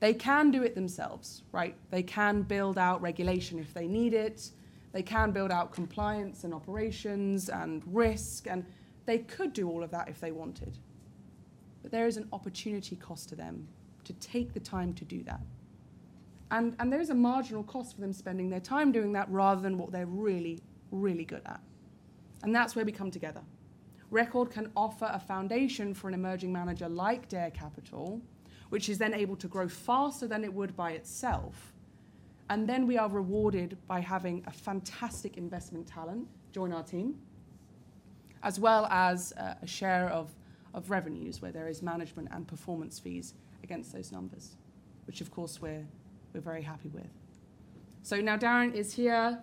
they can do it themselves, right? They can build out regulation if they need it. They can build out compliance and operations and risk, and they could do all of that if they wanted. There is an opportunity cost to them to take the time to do that, and there is a marginal cost for them spending their time doing that rather than what they're really, really good at, and that's where we come together. Record can offer a foundation for an emerging manager like Dare Capital, which is then able to grow faster than it would by itself, then we are rewarded by having a fantastic investment talent join our team, as well as a share of revenues where there is management and performance fees against those numbers, which of course we're very happy with. Now Darren is here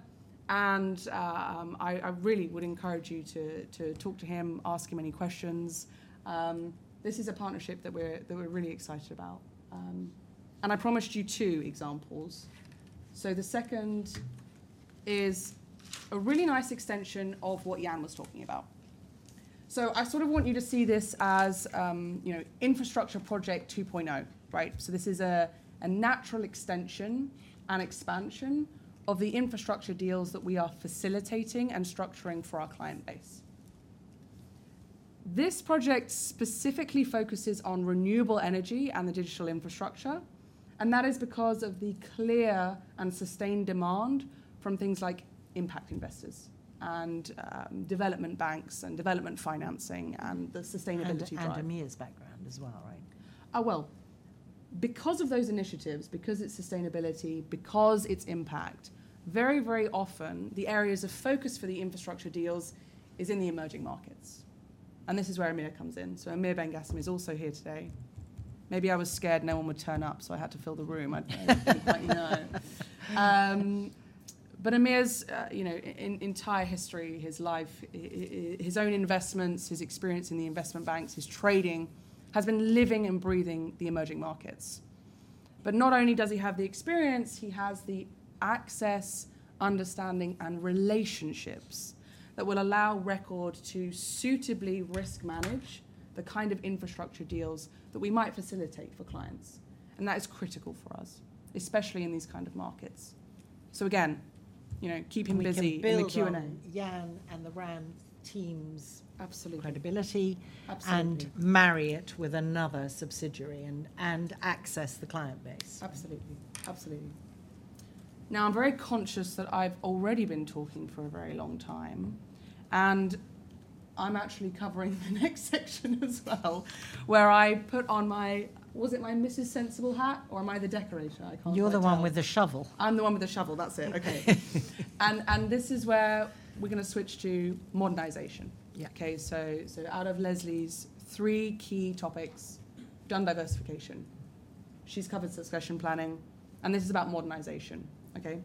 and I really would encourage you to talk to him, ask him any questions. This is a partnership that we're really excited about. I promised you two examples, the second is a really nice extension of what Jan was talking about. I sort of want you to see this as, you know, infrastructure project 2.0, right? This is a natural extension and expansion of the infrastructure deals that we are facilitating and structuring for our client base. This project specifically focuses on renewable energy and the digital infrastructure, and that is because of the clear and sustained demand from things like impact investors and development banks and development financing and the sustainability drive.
Amir's background as well, right?
Well, because of those initiatives, because it's sustainability, because it's impact, very, very often the areas of focus for the infrastructure deals is in the emerging markets. This is where Amir comes in. Amir Bengason is also here today. Maybe I was scared no one would turn up. I had to fill the room. I don't, I don't quite know. Amir's, you know, entire history, his life, his own investments, his experience in the investment banks, his trading, has been living and breathing the emerging markets. Not only does he have the experience, he has the access, understanding, and relationships that will allow Record to suitably risk manage the kind of infrastructure deals that we might facilitate for clients, and that is critical for us, especially in these kind of markets. Again, you know, keep him busy in the Q&A.
We can build on Jan and the RAM team's.
Absolutely....
credibility.
Absolutely.
Marry it with another subsidiary and access the client base.
Absolutely. Absolutely. I'm very conscious that I've already been talking for a very long time, and I'm actually covering the next section as well, where I put on my... Was it my Mrs. Sensible hat or am I the decorator? I can't quite tell.
You're the one with the shovel.
I'm the one with the shovel. That's it. Okay. This is where we're gonna switch to modernization.
Yeah.
Okay? Out of Leslie's three key topics, done diversification. She's covered succession planning, and this is about modernization. Okay?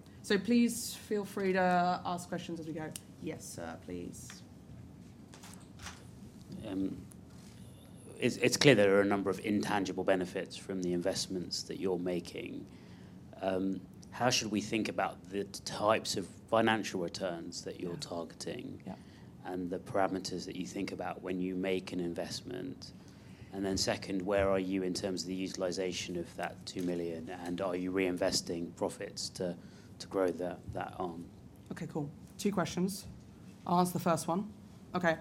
Please feel free to ask questions as we go.
Yes, sir. Please.
It's clear there are a number of intangible benefits from the investments that you're making. How should we think about the types of financial returns that you're targeting?
Yeah.
The parameters that you think about when you make an investment? Second, where are you in terms of the utilization of that 2 million, and are you reinvesting profits to grow that arm?
Okay, cool. Two questions. I'll answer the first one. Okay.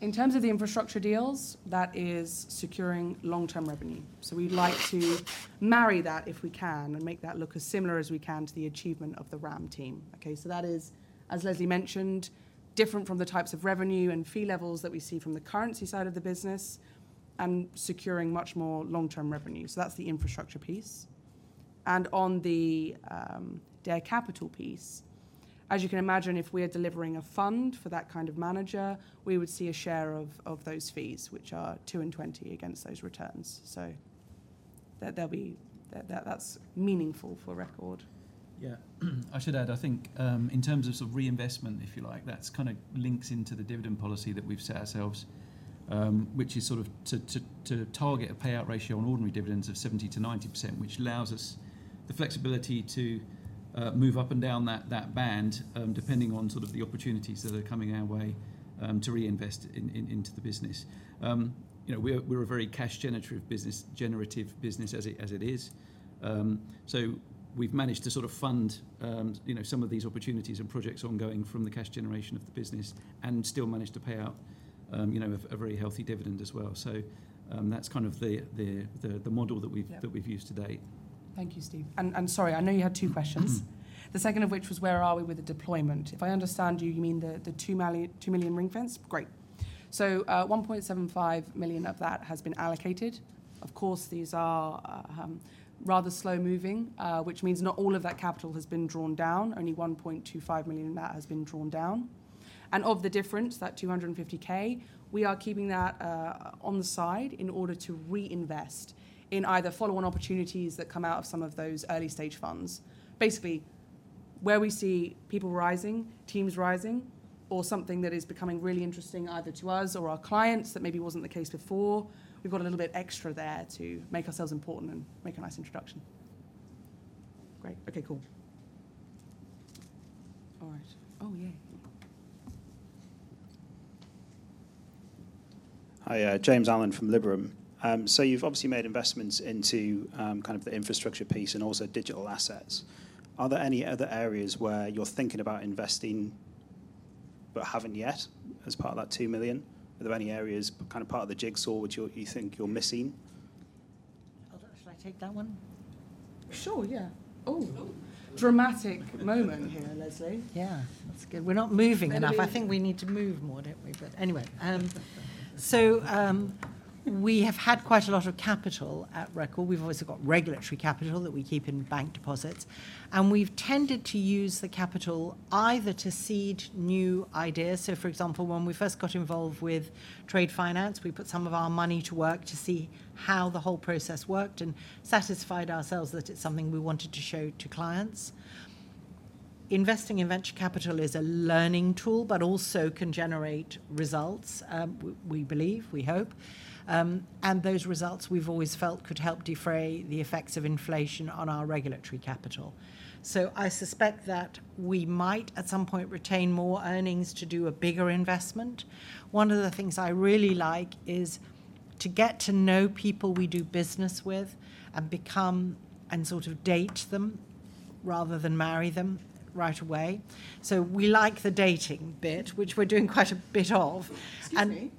In terms of the infrastructure deals, that is securing long-term revenue. We'd like to marry that if we can and make that look as similar as we can to the achievement of the RAM team. Okay. That is, as Leslie mentioned, different from the types of revenue and fee levels that we see from the currency side of the business and securing much more long-term revenue. That's the infrastructure piece. On the Dare Capital piece, as you can imagine, if we are delivering a fund for that kind of manager, we would see a share of those fees, which are two and 20 against those returns. There'll be... That's meaningful for Record.
Yeah. I should add, I think, in terms of sort of reinvestment, if you like, that's kind of links into the dividend policy that we've set ourselves, which is sort of to target a payout ratio on ordinary dividends of 70%-90%, which allows us the flexibility to move up and down that band, depending on sort of the opportunities that are coming our way, to reinvest into the business. You know, we're a very cash generative business as it is. We've managed to sort of fund, you know, some of these opportunities and projects ongoing from the cash generation of the business and still manage to pay out, you know, a very healthy dividend as well. That's kind of the model that.
Yeah.
That we've used to date.
Thank you, Steve. Sorry, I know you had two questions. The second of which was where are we with the deployment? If I understand you mean the 2 million ring-fence? Great. 1.75 million of that has been allocated. Of course, these are rather slow moving, which means not all of that capital has been drawn down. Only 1.25 million of that has been drawn down. Of the difference, that 250,000 we are keeping that on the side in order to reinvest in either follow-on opportunities that come out of some of those early stage funds. Basically, where we see people rising, teams rising, or something that is becoming really interesting either to us or our clients that maybe wasn't the case before, we've got a little bit extra there to make ourselves important and make a nice introduction. Great. Okay, cool. All right. Oh, yeah.
Hi, James Allen from Liberum. You've obviously made investments into kind of the infrastructure piece and also digital assets. Are there any other areas where you're thinking about investing but haven't yet as part of that 2 million? Are there any areas, kind of part of the jigsaw, which you're, you think you're missing?
Hold on. Shall I take that one?
Sure, yeah. Oh.
Oh.
Dramatic moment here, Leslie.
Yeah. That's good. We're not moving enough.
Maybe-
I think we need to move more, don't we? Anyway, we have had quite a lot of capital at Record. We've obviously got regulatory capital that we keep in bank deposits, and we've tended to use the capital either to seed new ideas. For example, when we first got involved with trade finance, we put some of our money to work to see how the whole process worked and satisfied ourselves that it's something we wanted to show to clients. Investing in venture capital is a learning tool, but also can generate results, we believe, we hope. Those results we've always felt could help defray the effects of inflation on our regulatory capital. I suspect that we might at some point retain more earnings to do a bigger investment. One of the things I really like is to get to know people we do business with and sort of date them rather than marry them right away. We like the dating bit, which we're doing quite a bit of.
Excuse me.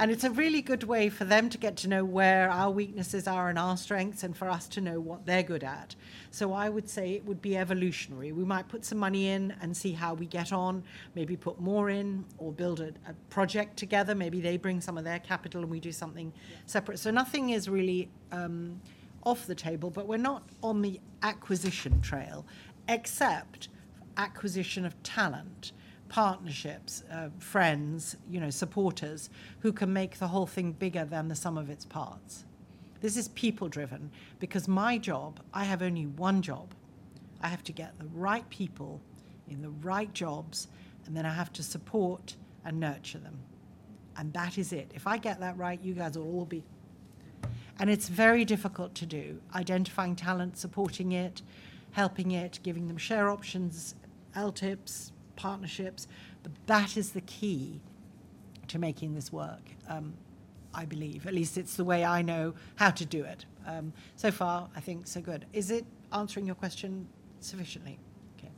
It's a really good way for them to get to know where our weaknesses are and our strengths and for us to know what they're good at. I would say it would be evolutionary. We might put some money in and see how we get on, maybe put more in or build a project together. Maybe they bring some of their capital, and we do something separate. Nothing is really off the table, but we're not on the acquisition trail, except acquisition of talent, partnerships, friends, you know, supporters who can make the whole thing bigger than the sum of its parts. This is people driven because my job, I have only one job. I have to get the right people in the right jobs, and then I have to support and nurture them, and that is it. If I get that right, you guys will all be... It's very difficult to do. Identifying talent, supporting it, helping it, giving them share options, LTIPs, partnerships, that is the key to making this work, I believe. At least it's the way I know how to do it. So far, I think so good. Is it answering your question sufficiently? Okay.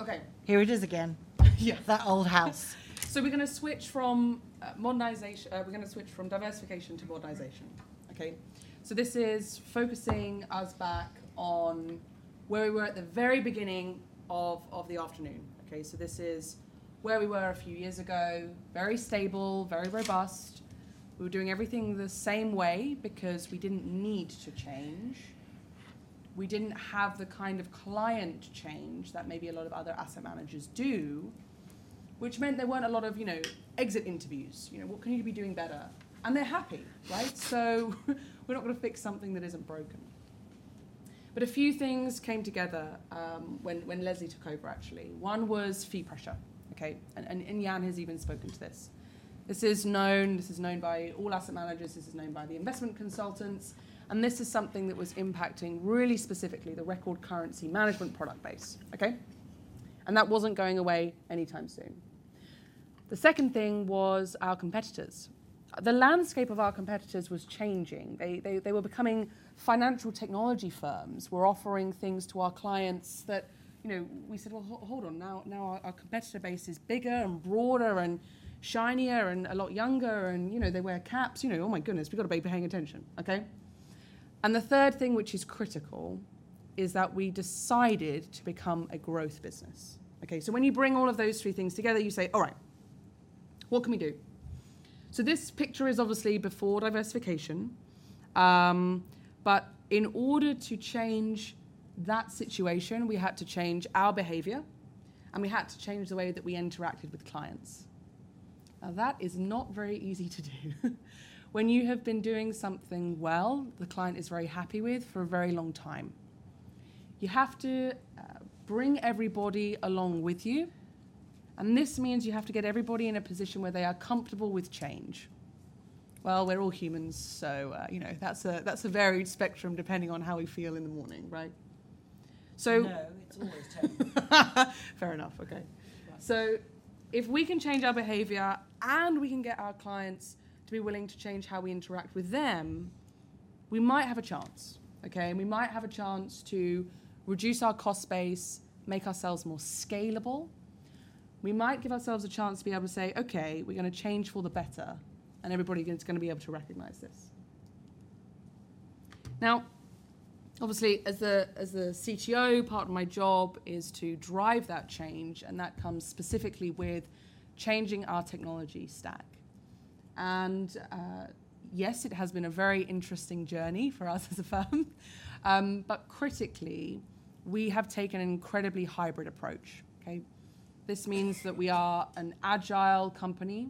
Okay.
Here it is again.
Yeah.
That old house.
We're gonna switch from modernization. We're gonna switch from diversification to modernization. Okay? This is focusing us back on where we were at the very beginning of the afternoon. Okay? This is where we were a few years ago, very stable, very robust. We were doing everything the same way because we didn't need to change. We didn't have the kind of client change that maybe a lot of other asset managers do, which meant there weren't a lot of, you know, exit interviews. You know, what can you be doing better? They're happy, right? We're not gonna fix something that isn't broken. A few things came together, when Leslie took over actually. One was fee pressure. Okay. Jan has even spoken to this. This is known, this is known by all asset managers, this is known by the investment consultants, this is something that was impacting really specifically the Record Currency Management product base. Okay. That wasn't going away anytime soon. The second thing was our competitors. The landscape of our competitors was changing. They were becoming financial technology firms, were offering things to our clients that, you know, we said, "Well, hold on. Now our competitor base is bigger and broader and shinier and a lot younger and, you know, they wear caps. You know, oh my goodness, we've gotta be paying attention." Okay. The third thing, which is critical, is that we decided to become a growth business. Okay. When you bring all of those three things together, you say, "All right. What can we do?" This picture is obviously before diversification. In order to change that situation, we had to change our behavior, and we had to change the way that we interacted with clients. That is not very easy to do when you have been doing something well, the client is very happy with, for a very long time. You have to bring everybody along with you, and this means you have to get everybody in a position where they are comfortable with change. We're all humans, so, you know, that's a, that's a varied spectrum depending on how we feel in the morning, right?
No, it's always terrible.
Fair enough. Okay.
Right.
If we can change our behavior, and we can get our clients to be willing to change how we interact with them, we might have a chance. Okay. We might have a chance to reduce our cost base, make ourselves more scalable. We might give ourselves a chance to be able to say, "Okay, we're gonna change for the better, and everybody is gonna be able to recognize this." Obviously, as a CTO, part of my job is to drive that change. That comes specifically with changing our technology stack. Yes, it has been a very interesting journey for us as a firm. Critically, we have taken an incredibly hybrid approach. Okay. This means that we are an agile company.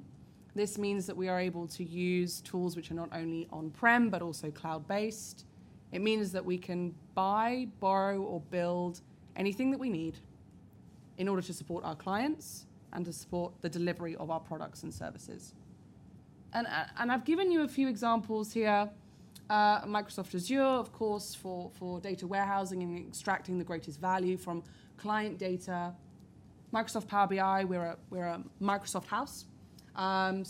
This means that we are able to use tools which are not only on-prem but also cloud-based. It means that we can buy, borrow, or build anything that we need in order to support our clients and to support the delivery of our products and services. I've given you a few examples here. Microsoft Azure, of course, for data warehousing and extracting the greatest value from client data. Microsoft Power BI, we're a Microsoft house.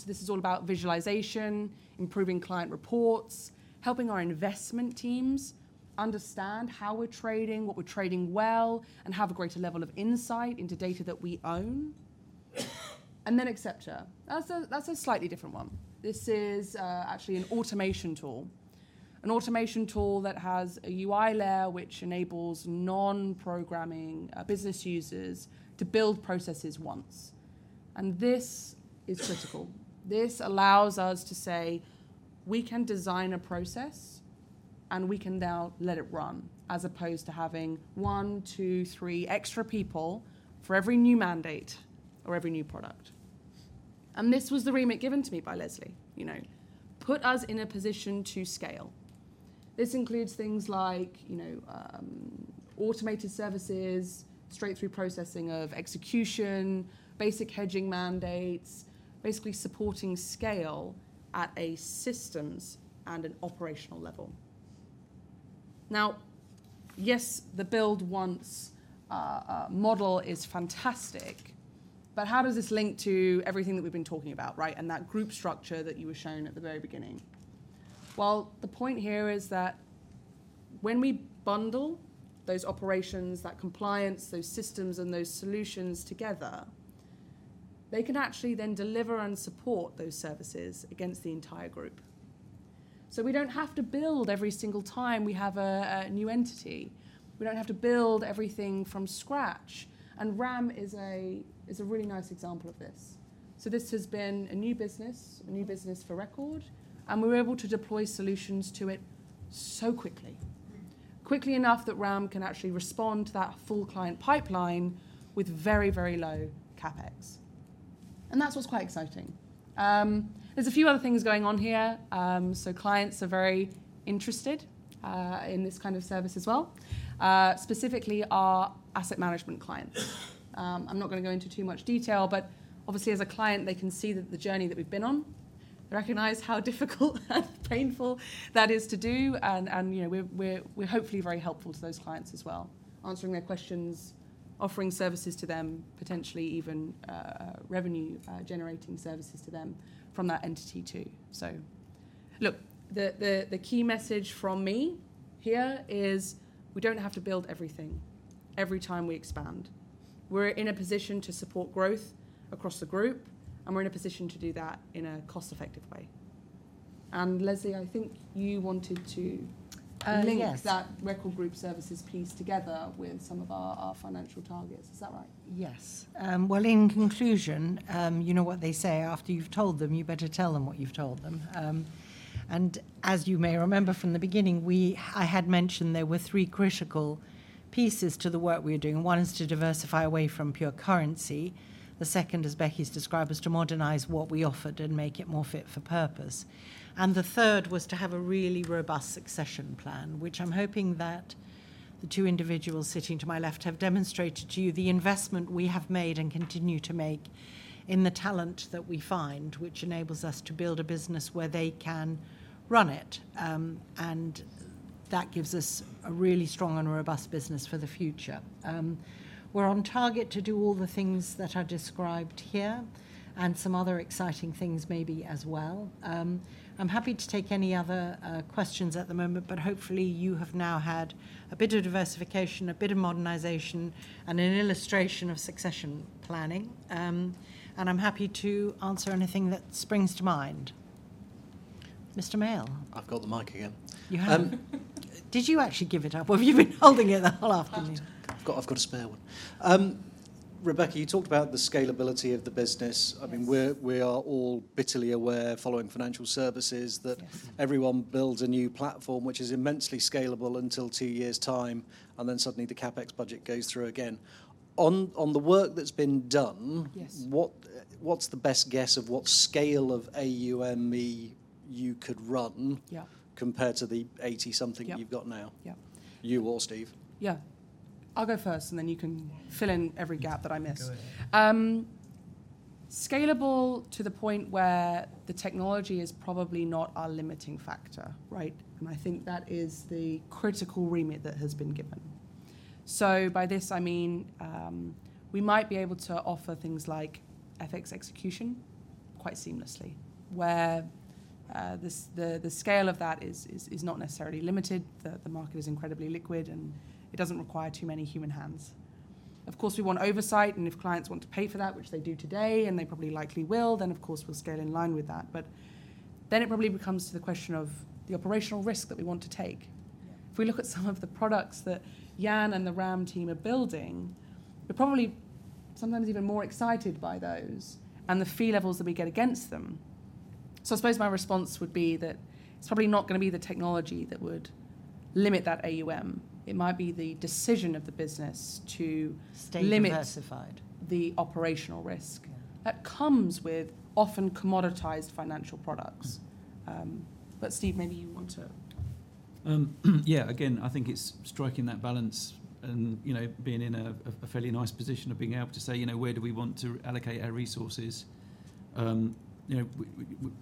This is all about visualization, improving client reports, helping our investment teams understand how we're trading, what we're trading well, and have a greater level of insight into data that we own. Accepta. That's a slightly different one. This is actually an automation tool. An automation tool that has a UI layer which enables non-programming business users to build processes once, and this is critical. This allows us to say we can design a process, we can now let it run, as opposed to having one, two, three extra people for every new mandate or every new product. This was the remit given to me by Leslie. You know, put us in a position to scale. This includes things like, you know, automated services, straight-through processing of execution, basic hedging mandates, basically supporting scale at a systems and an operational level. Now, yes, the build once model is fantastic, but how does this link to everything that we've been talking about, right? That group structure that you were shown at the very beginning? The point here is that when we bundle those operations, that compliance, those systems, and those solutions together, they can actually then deliver and support those services against the entire group. We don't have to build every single time we have a new entity. We don't have to build everything from scratch, RAM is a really nice example of this. This has been a new business for Record, and we were able to deploy solutions to it so quickly. Quickly enough that RAM can actually respond to that full client pipeline with very low CapEx. That's what's quite exciting. There's a few other things going on here. Clients are very interested in this kind of service as well, specifically our asset management clients. I'm not gonna go into too much detail, but obviously as a client, they can see the journey that we've been on, recognize how difficult and painful that is to do, and, you know, we're hopefully very helpful to those clients as well, answering their questions, offering services to them, potentially even revenue-generating services to them from that entity too. Look, the key message from me here is we don't have to build everything every time we expand. We're in a position to support growth across the group, and we're in a position to do that in a cost-effective way. Leslie, I think you wanted to.
Yes.
Link that Record Group Services piece together with some of our financial targets. Is that right?
Yes. Well, in conclusion, you know what they say, after you've told them, you better tell them what you've told them. As you may remember from the beginning, I had mentioned there were three critical pieces to the work we're doing. One is to diversify away from pure currency. The second, as Becky's described, was to modernize what we offered and make it more fit for purpose. The third was to have a really robust succession plan, which I'm hoping that the two individuals sitting to my left have demonstrated to you the investment we have made and continue to make in the talent that we find, which enables us to build a business where they can run it. That gives us a really strong and robust business for the future. We're on target to do all the things that are described here and some other exciting things maybe as well. I'm happy to take any other questions at the moment, but hopefully you have now had a bit of diversification, a bit of modernization, and an illustration of succession planning. I'm happy to answer anything that springs to mind. Mr. Maile.
I've got the mic again.
You have.
Um-
Did you actually give it up or have you been holding it the whole afternoon?
I've got a spare one. Rebecca, you talked about the scalability of the business.
Yes.
I mean, we are all bitterly aware following financial services.
Yes....
that everyone builds a new platform which is immensely scalable until two years' time, then suddenly the CapEx budget goes through again. On the work that's been done-
Yes...
what's the best guess of what scale of AUM you could run?
Yeah
Compared to the 80 something you've got now?
Yeah. Yeah.
You or Steve.
Yeah. I'll go first, and then you can fill in every gap that I miss.
Go ahead.
Scalable to the point where the technology is probably not our limiting factor, right? I think that is the critical remit that has been given. By this, I mean, we might be able to offer things like FX execution quite seamlessly, where the scale of that is not necessarily limited. The market is incredibly liquid, and it doesn't require too many human hands. Of course, we want oversight, and if clients want to pay for that, which they do today, and they probably likely will, then of course we'll scale in line with that. It probably becomes to the question of the operational risk that we want to take.
YeahT
If we look at some of the products that Jan and the RAM team are building, we're probably sometimes even more excited by those and the fee levels that we get against them. I suppose my response would be that it's probably not gonna be the technology that would limit that AUM. It might be the decision of the business to limit.
Stay diversified.
The operational risk.
Yeah.
That comes with often commoditized financial products.
Mm-hmm.
Steve, maybe you want to.
Yeah, again, I think it's striking that balance and, you know, being in a fairly nice position of being able to say, you know, where do we want to allocate our resources. You know,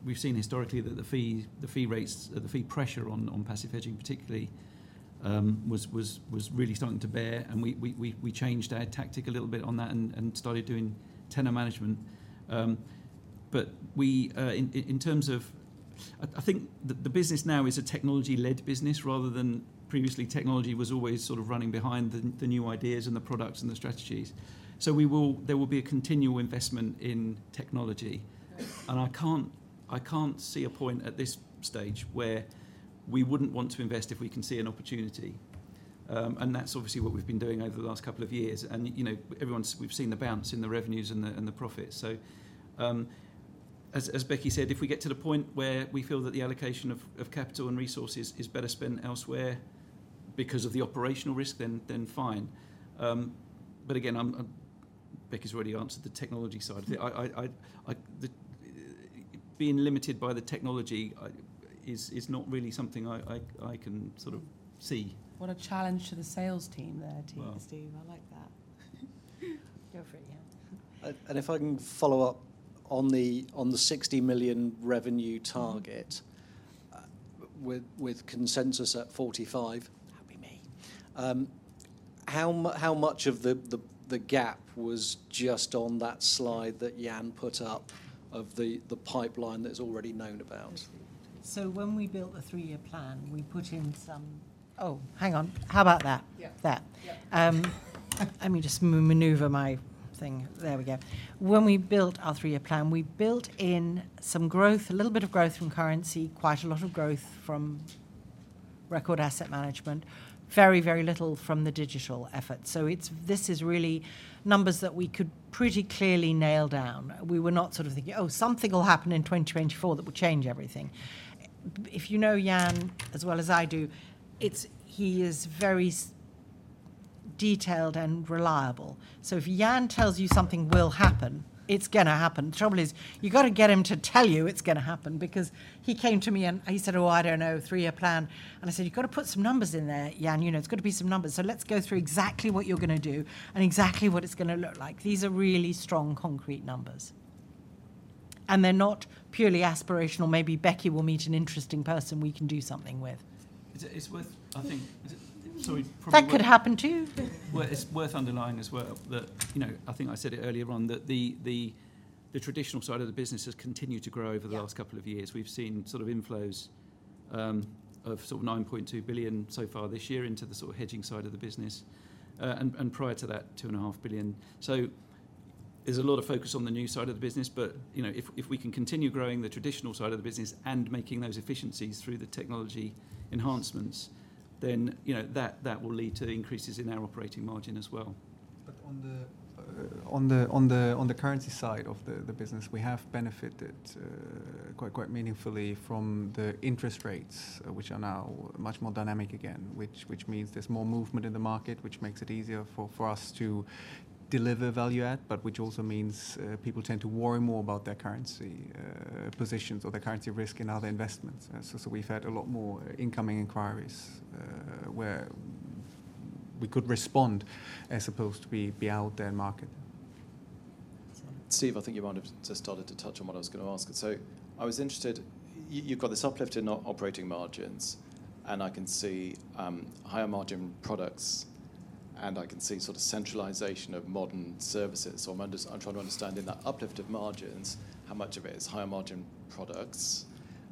we've seen historically that the fee rates, the fee pressure on passive hedging particularly, was really starting to bear, and we changed our tactic a little bit on that and started doing tenor management. But we, in terms, I think the business now is a technology-led business rather than previously technology was always sort of running behind the new ideas and the products and the strategies. We will, there will be a continual investment in technology.
Yeah.
I can't see a point at this stage where we wouldn't want to invest if we can see an opportunity. That's obviously what we've been doing over the last couple of years. You know, everyone's we've seen the bounce in the revenues and the profits. As Becky said, if we get to the point where we feel that the allocation of capital and resources is better spent elsewhere because of the operational risk, then fine. Again, Becky's already answered the technology side. The being limited by the technology is not really something I can sort of see.
What a challenge to the sales team there to you, Steve.
Well.
I like that. Go for it, Jan.
If I can follow up on the 60 million revenue target.
Mm-hmm....
with consensus at 45 million.
That'll be me.
How much of the gap was just on that slide that Jan put up of the pipeline that's already known about?
When we built the three-year plan, we put in some... Oh, hang on. How about that?
Yeah.
That.
Yeah.
Let me just maneuver my thing. There we go. When we built our three-year plan, we built in some growth, a little bit of growth from currency, quite a lot of growth from Record Asset Management, very, very little from the digital effort. This is really numbers that we could pretty clearly nail down. We were not sort of thinking, "Oh, something will happen in 2024 that will change everything." If you know Jan as well as I do, he is very detailed and reliable. If Jan tells you something will happen, it's gonna happen. The trouble is, you've got to get him to tell you it's gonna happen because he came to me and he said, "Oh, I don't know, three-year plan." I said, "You've got to put some numbers in there, Jan. You know, there's got to be some numbers. Let's go through exactly what you're gonna do and exactly what it's gonna look like. These are really strong, concrete numbers, and they're not purely aspirational, maybe Becky will meet an interesting person we can do something with.
Is it's worth, I think. Is it? Sorry.
That could happen too.
Well, it's worth underlining as well that, you know, I think I said it earlier on, that the traditional side of the business has continued to grow over the last couple of years.
Yeah.
We've seen sort of inflows, of sort of 9.2 billion so far this year into the sort of hedging side of the business. Prior to that, 2.5 billion. There's a lot of focus on the new side of the business, you know, if we can continue growing the traditional side of the business and making those efficiencies through the technology enhancements, you know, that will lead to increases in our operating margin as well.
On the currency side of the business, we have benefited quite meaningfully from the interest rates, which are now much more dynamic again, which means there's more movement in the market, which makes it easier for us to deliver value add, but which also means people tend to worry more about their currency positions or their currency risk in other investments. So we've had a lot more incoming inquiries where we could respond as opposed to be out there in market.
Steve, I think you might have just started to touch on what I was gonna ask. I was interested, you've got this uplift in operating margins, and I can see, higher margin products, and I can see sort of centralization of modern services. I'm trying to understand in that uplift of margins, how much of it is higher margin products,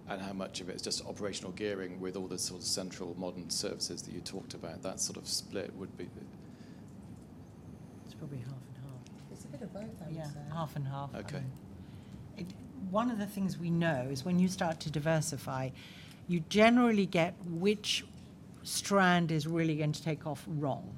and how much of it is just operational gearing with all the sort of central modern services that you talked about? That sort of split would be...
It's probably 50/50.
It's a bit of both I would say.
Yeah, 50/50.
Okay.
One of the things we know is when you start to diversify, you generally get which strand is really going to take off wrong.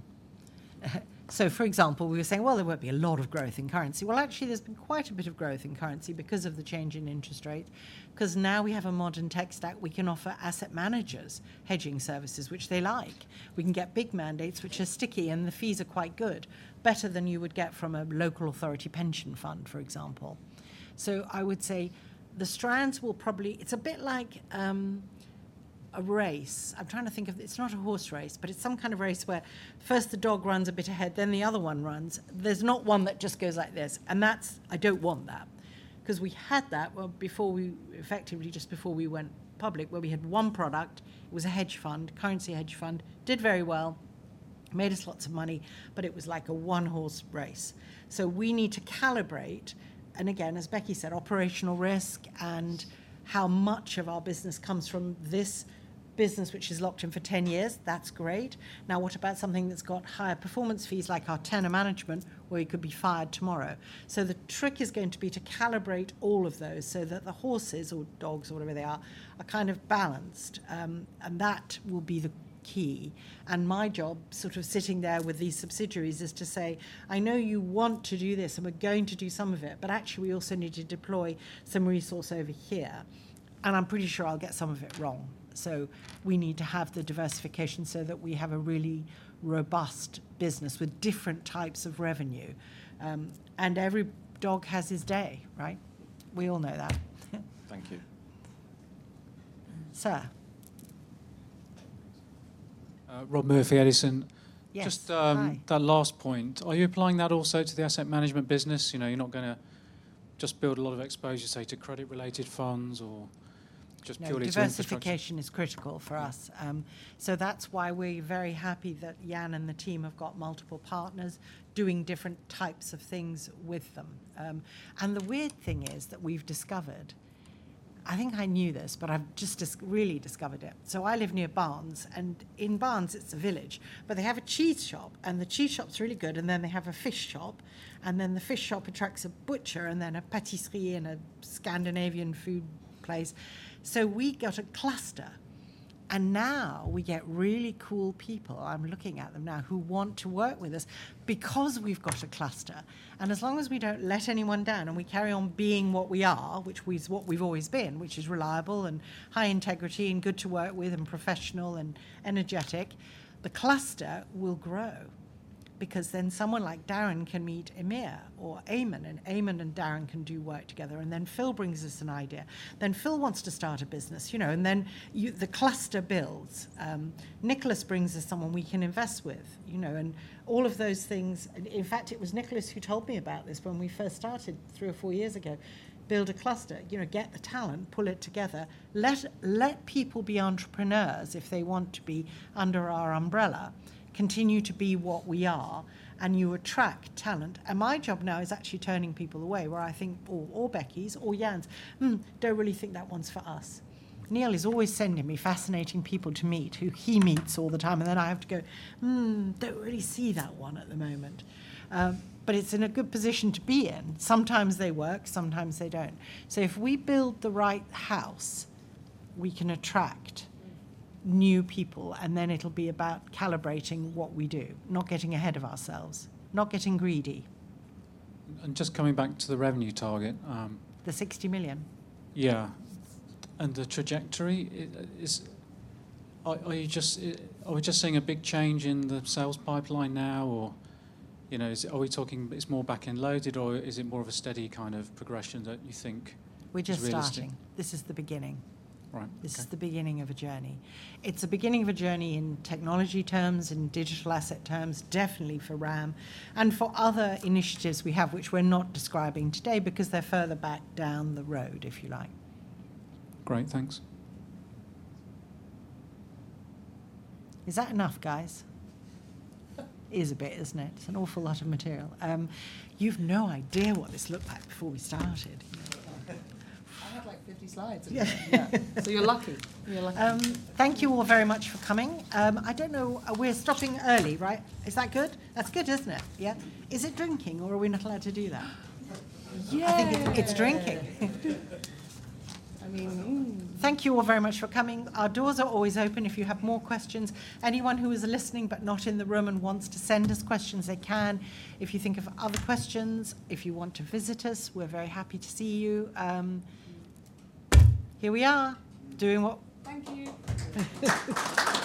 For example, we were saying, well, there won't be a lot of growth in currency. Actually, there's been quite a bit of growth in currency because of the change in interest rates, 'cause now we have a modern tech stack, we can offer asset managers hedging services, which they like. We can get big mandates which are sticky, and the fees are quite good, better than you would get from a local authority pension fund, for example. I would say the strands will probably. It's a bit like a race. I'm trying to think of. It's not a horse race, but it's some kind of race where first the dog runs a bit ahead, then the other one runs. There's not one that just goes like this. I don't want that. Because we had that, well, effectively just before we went public, where we had one product, it was a hedge fund, currency hedge fund, did very well, made us lots of money, it was like a one-horse race. We need to calibrate, and again, as Becky said, operational risk and how much of our business comes from this business which is locked in for 10 years, that's great. What about something that's got higher performance fees like our tenor management, where you could be fired tomorrow? The trick is going to be to calibrate all of those so that the horses or dogs or whatever they are kind of balanced. That will be the key. My job, sort of sitting there with these subsidiaries is to say, "I know you want to do this, and we're going to do some of it, but actually we also need to deploy some resource over here." I'm pretty sure I'll get some of it wrong. We need to have the diversification so that we have a really robust business with different types of revenue. Every dog has his day, right? We all know that.
Thank you.
Sir.
Rob Murphy, Edison.
Yes. Hi.
Just that last point. Are you applying that also to the asset management business? You know, you're not gonna just build a lot of exposure, say, to credit-related funds or just purely
No, diversification is critical for us. That's why we're very happy that Jan and the team have got multiple partners doing different types of things with them. The weird thing is that we've discovered, I think I knew this, but I've just really discovered it. I live near Barnes, and in Barnes, it's a village, but they have a cheese shop, and the cheese shop's really good, and then they have a fish shop, and then the fish shop attracts a butcher and then a patisserie and a Scandinavian food place. We got a cluster, and now we get really cool people, I'm looking at them now, who want to work with us because we've got a cluster. As long as we don't let anyone down, and we carry on being what we are, what we've always been, which is reliable and high integrity and good to work with and professional and energetic, the cluster will grow because someone like Darren can meet Amir or Eamon, and Eamon and Darren can do work together. Phil brings us an idea. Phil wants to start a business, you know, the cluster builds. Nicholas brings us someone we can invest with, you know. All of those things... In fact, it was Nicholas who told me about this when we first started three or four years ago, build a cluster. You know, get the talent, pull it together. Let people be entrepreneurs if they want to be under our umbrella. Continue to be what we are, you attract talent. My job now is actually turning people away, where I think, or Becky's or Jan's, "Hmm, don't really think that one's for us." Neil is always sending me fascinating people to meet who he meets all the time, I have to go, "Hmm, don't really see that one at the moment." It's in a good position to be in. Sometimes they work, sometimes they don't. If we build the right house, we can attract new people, then it'll be about calibrating what we do, not getting ahead of ourselves, not getting greedy.
Just coming back to the revenue target.
The 60 million?
Yeah. The trajectory. Are you just, are we just seeing a big change in the sales pipeline now or, you know, is it, are we talking it's more back-end loaded, or is it more of a steady kind of progression that you think is realistic?
We're just starting. This is the beginning.
Right. Okay.
This is the beginning of a journey. It's the beginning of a journey in technology terms, in digital asset terms, definitely for RAM, and for other initiatives we have which we're not describing today because they're further back down the road, if you like.
Great. Thanks.
Is that enough, guys? It is a bit, isn't it? It's an awful lot of material. You've no idea what this looked like before we started.
I had like 50 slides.
Yeah.
You're lucky. You're lucky.
Thank you all very much for coming. I don't know, we're stopping early, right? Is that good? That's good, isn't it? Yeah. Is it drinking, or are we not allowed to do that?
Yay.
I think it's drinking.
I mean.
Thank you all very much for coming. Our doors are always open if you have more questions. Anyone who is listening but not in the room and wants to send us questions, they can. If you think of other questions, if you want to visit us, we're very happy to see you. Here we are doing
Thank you.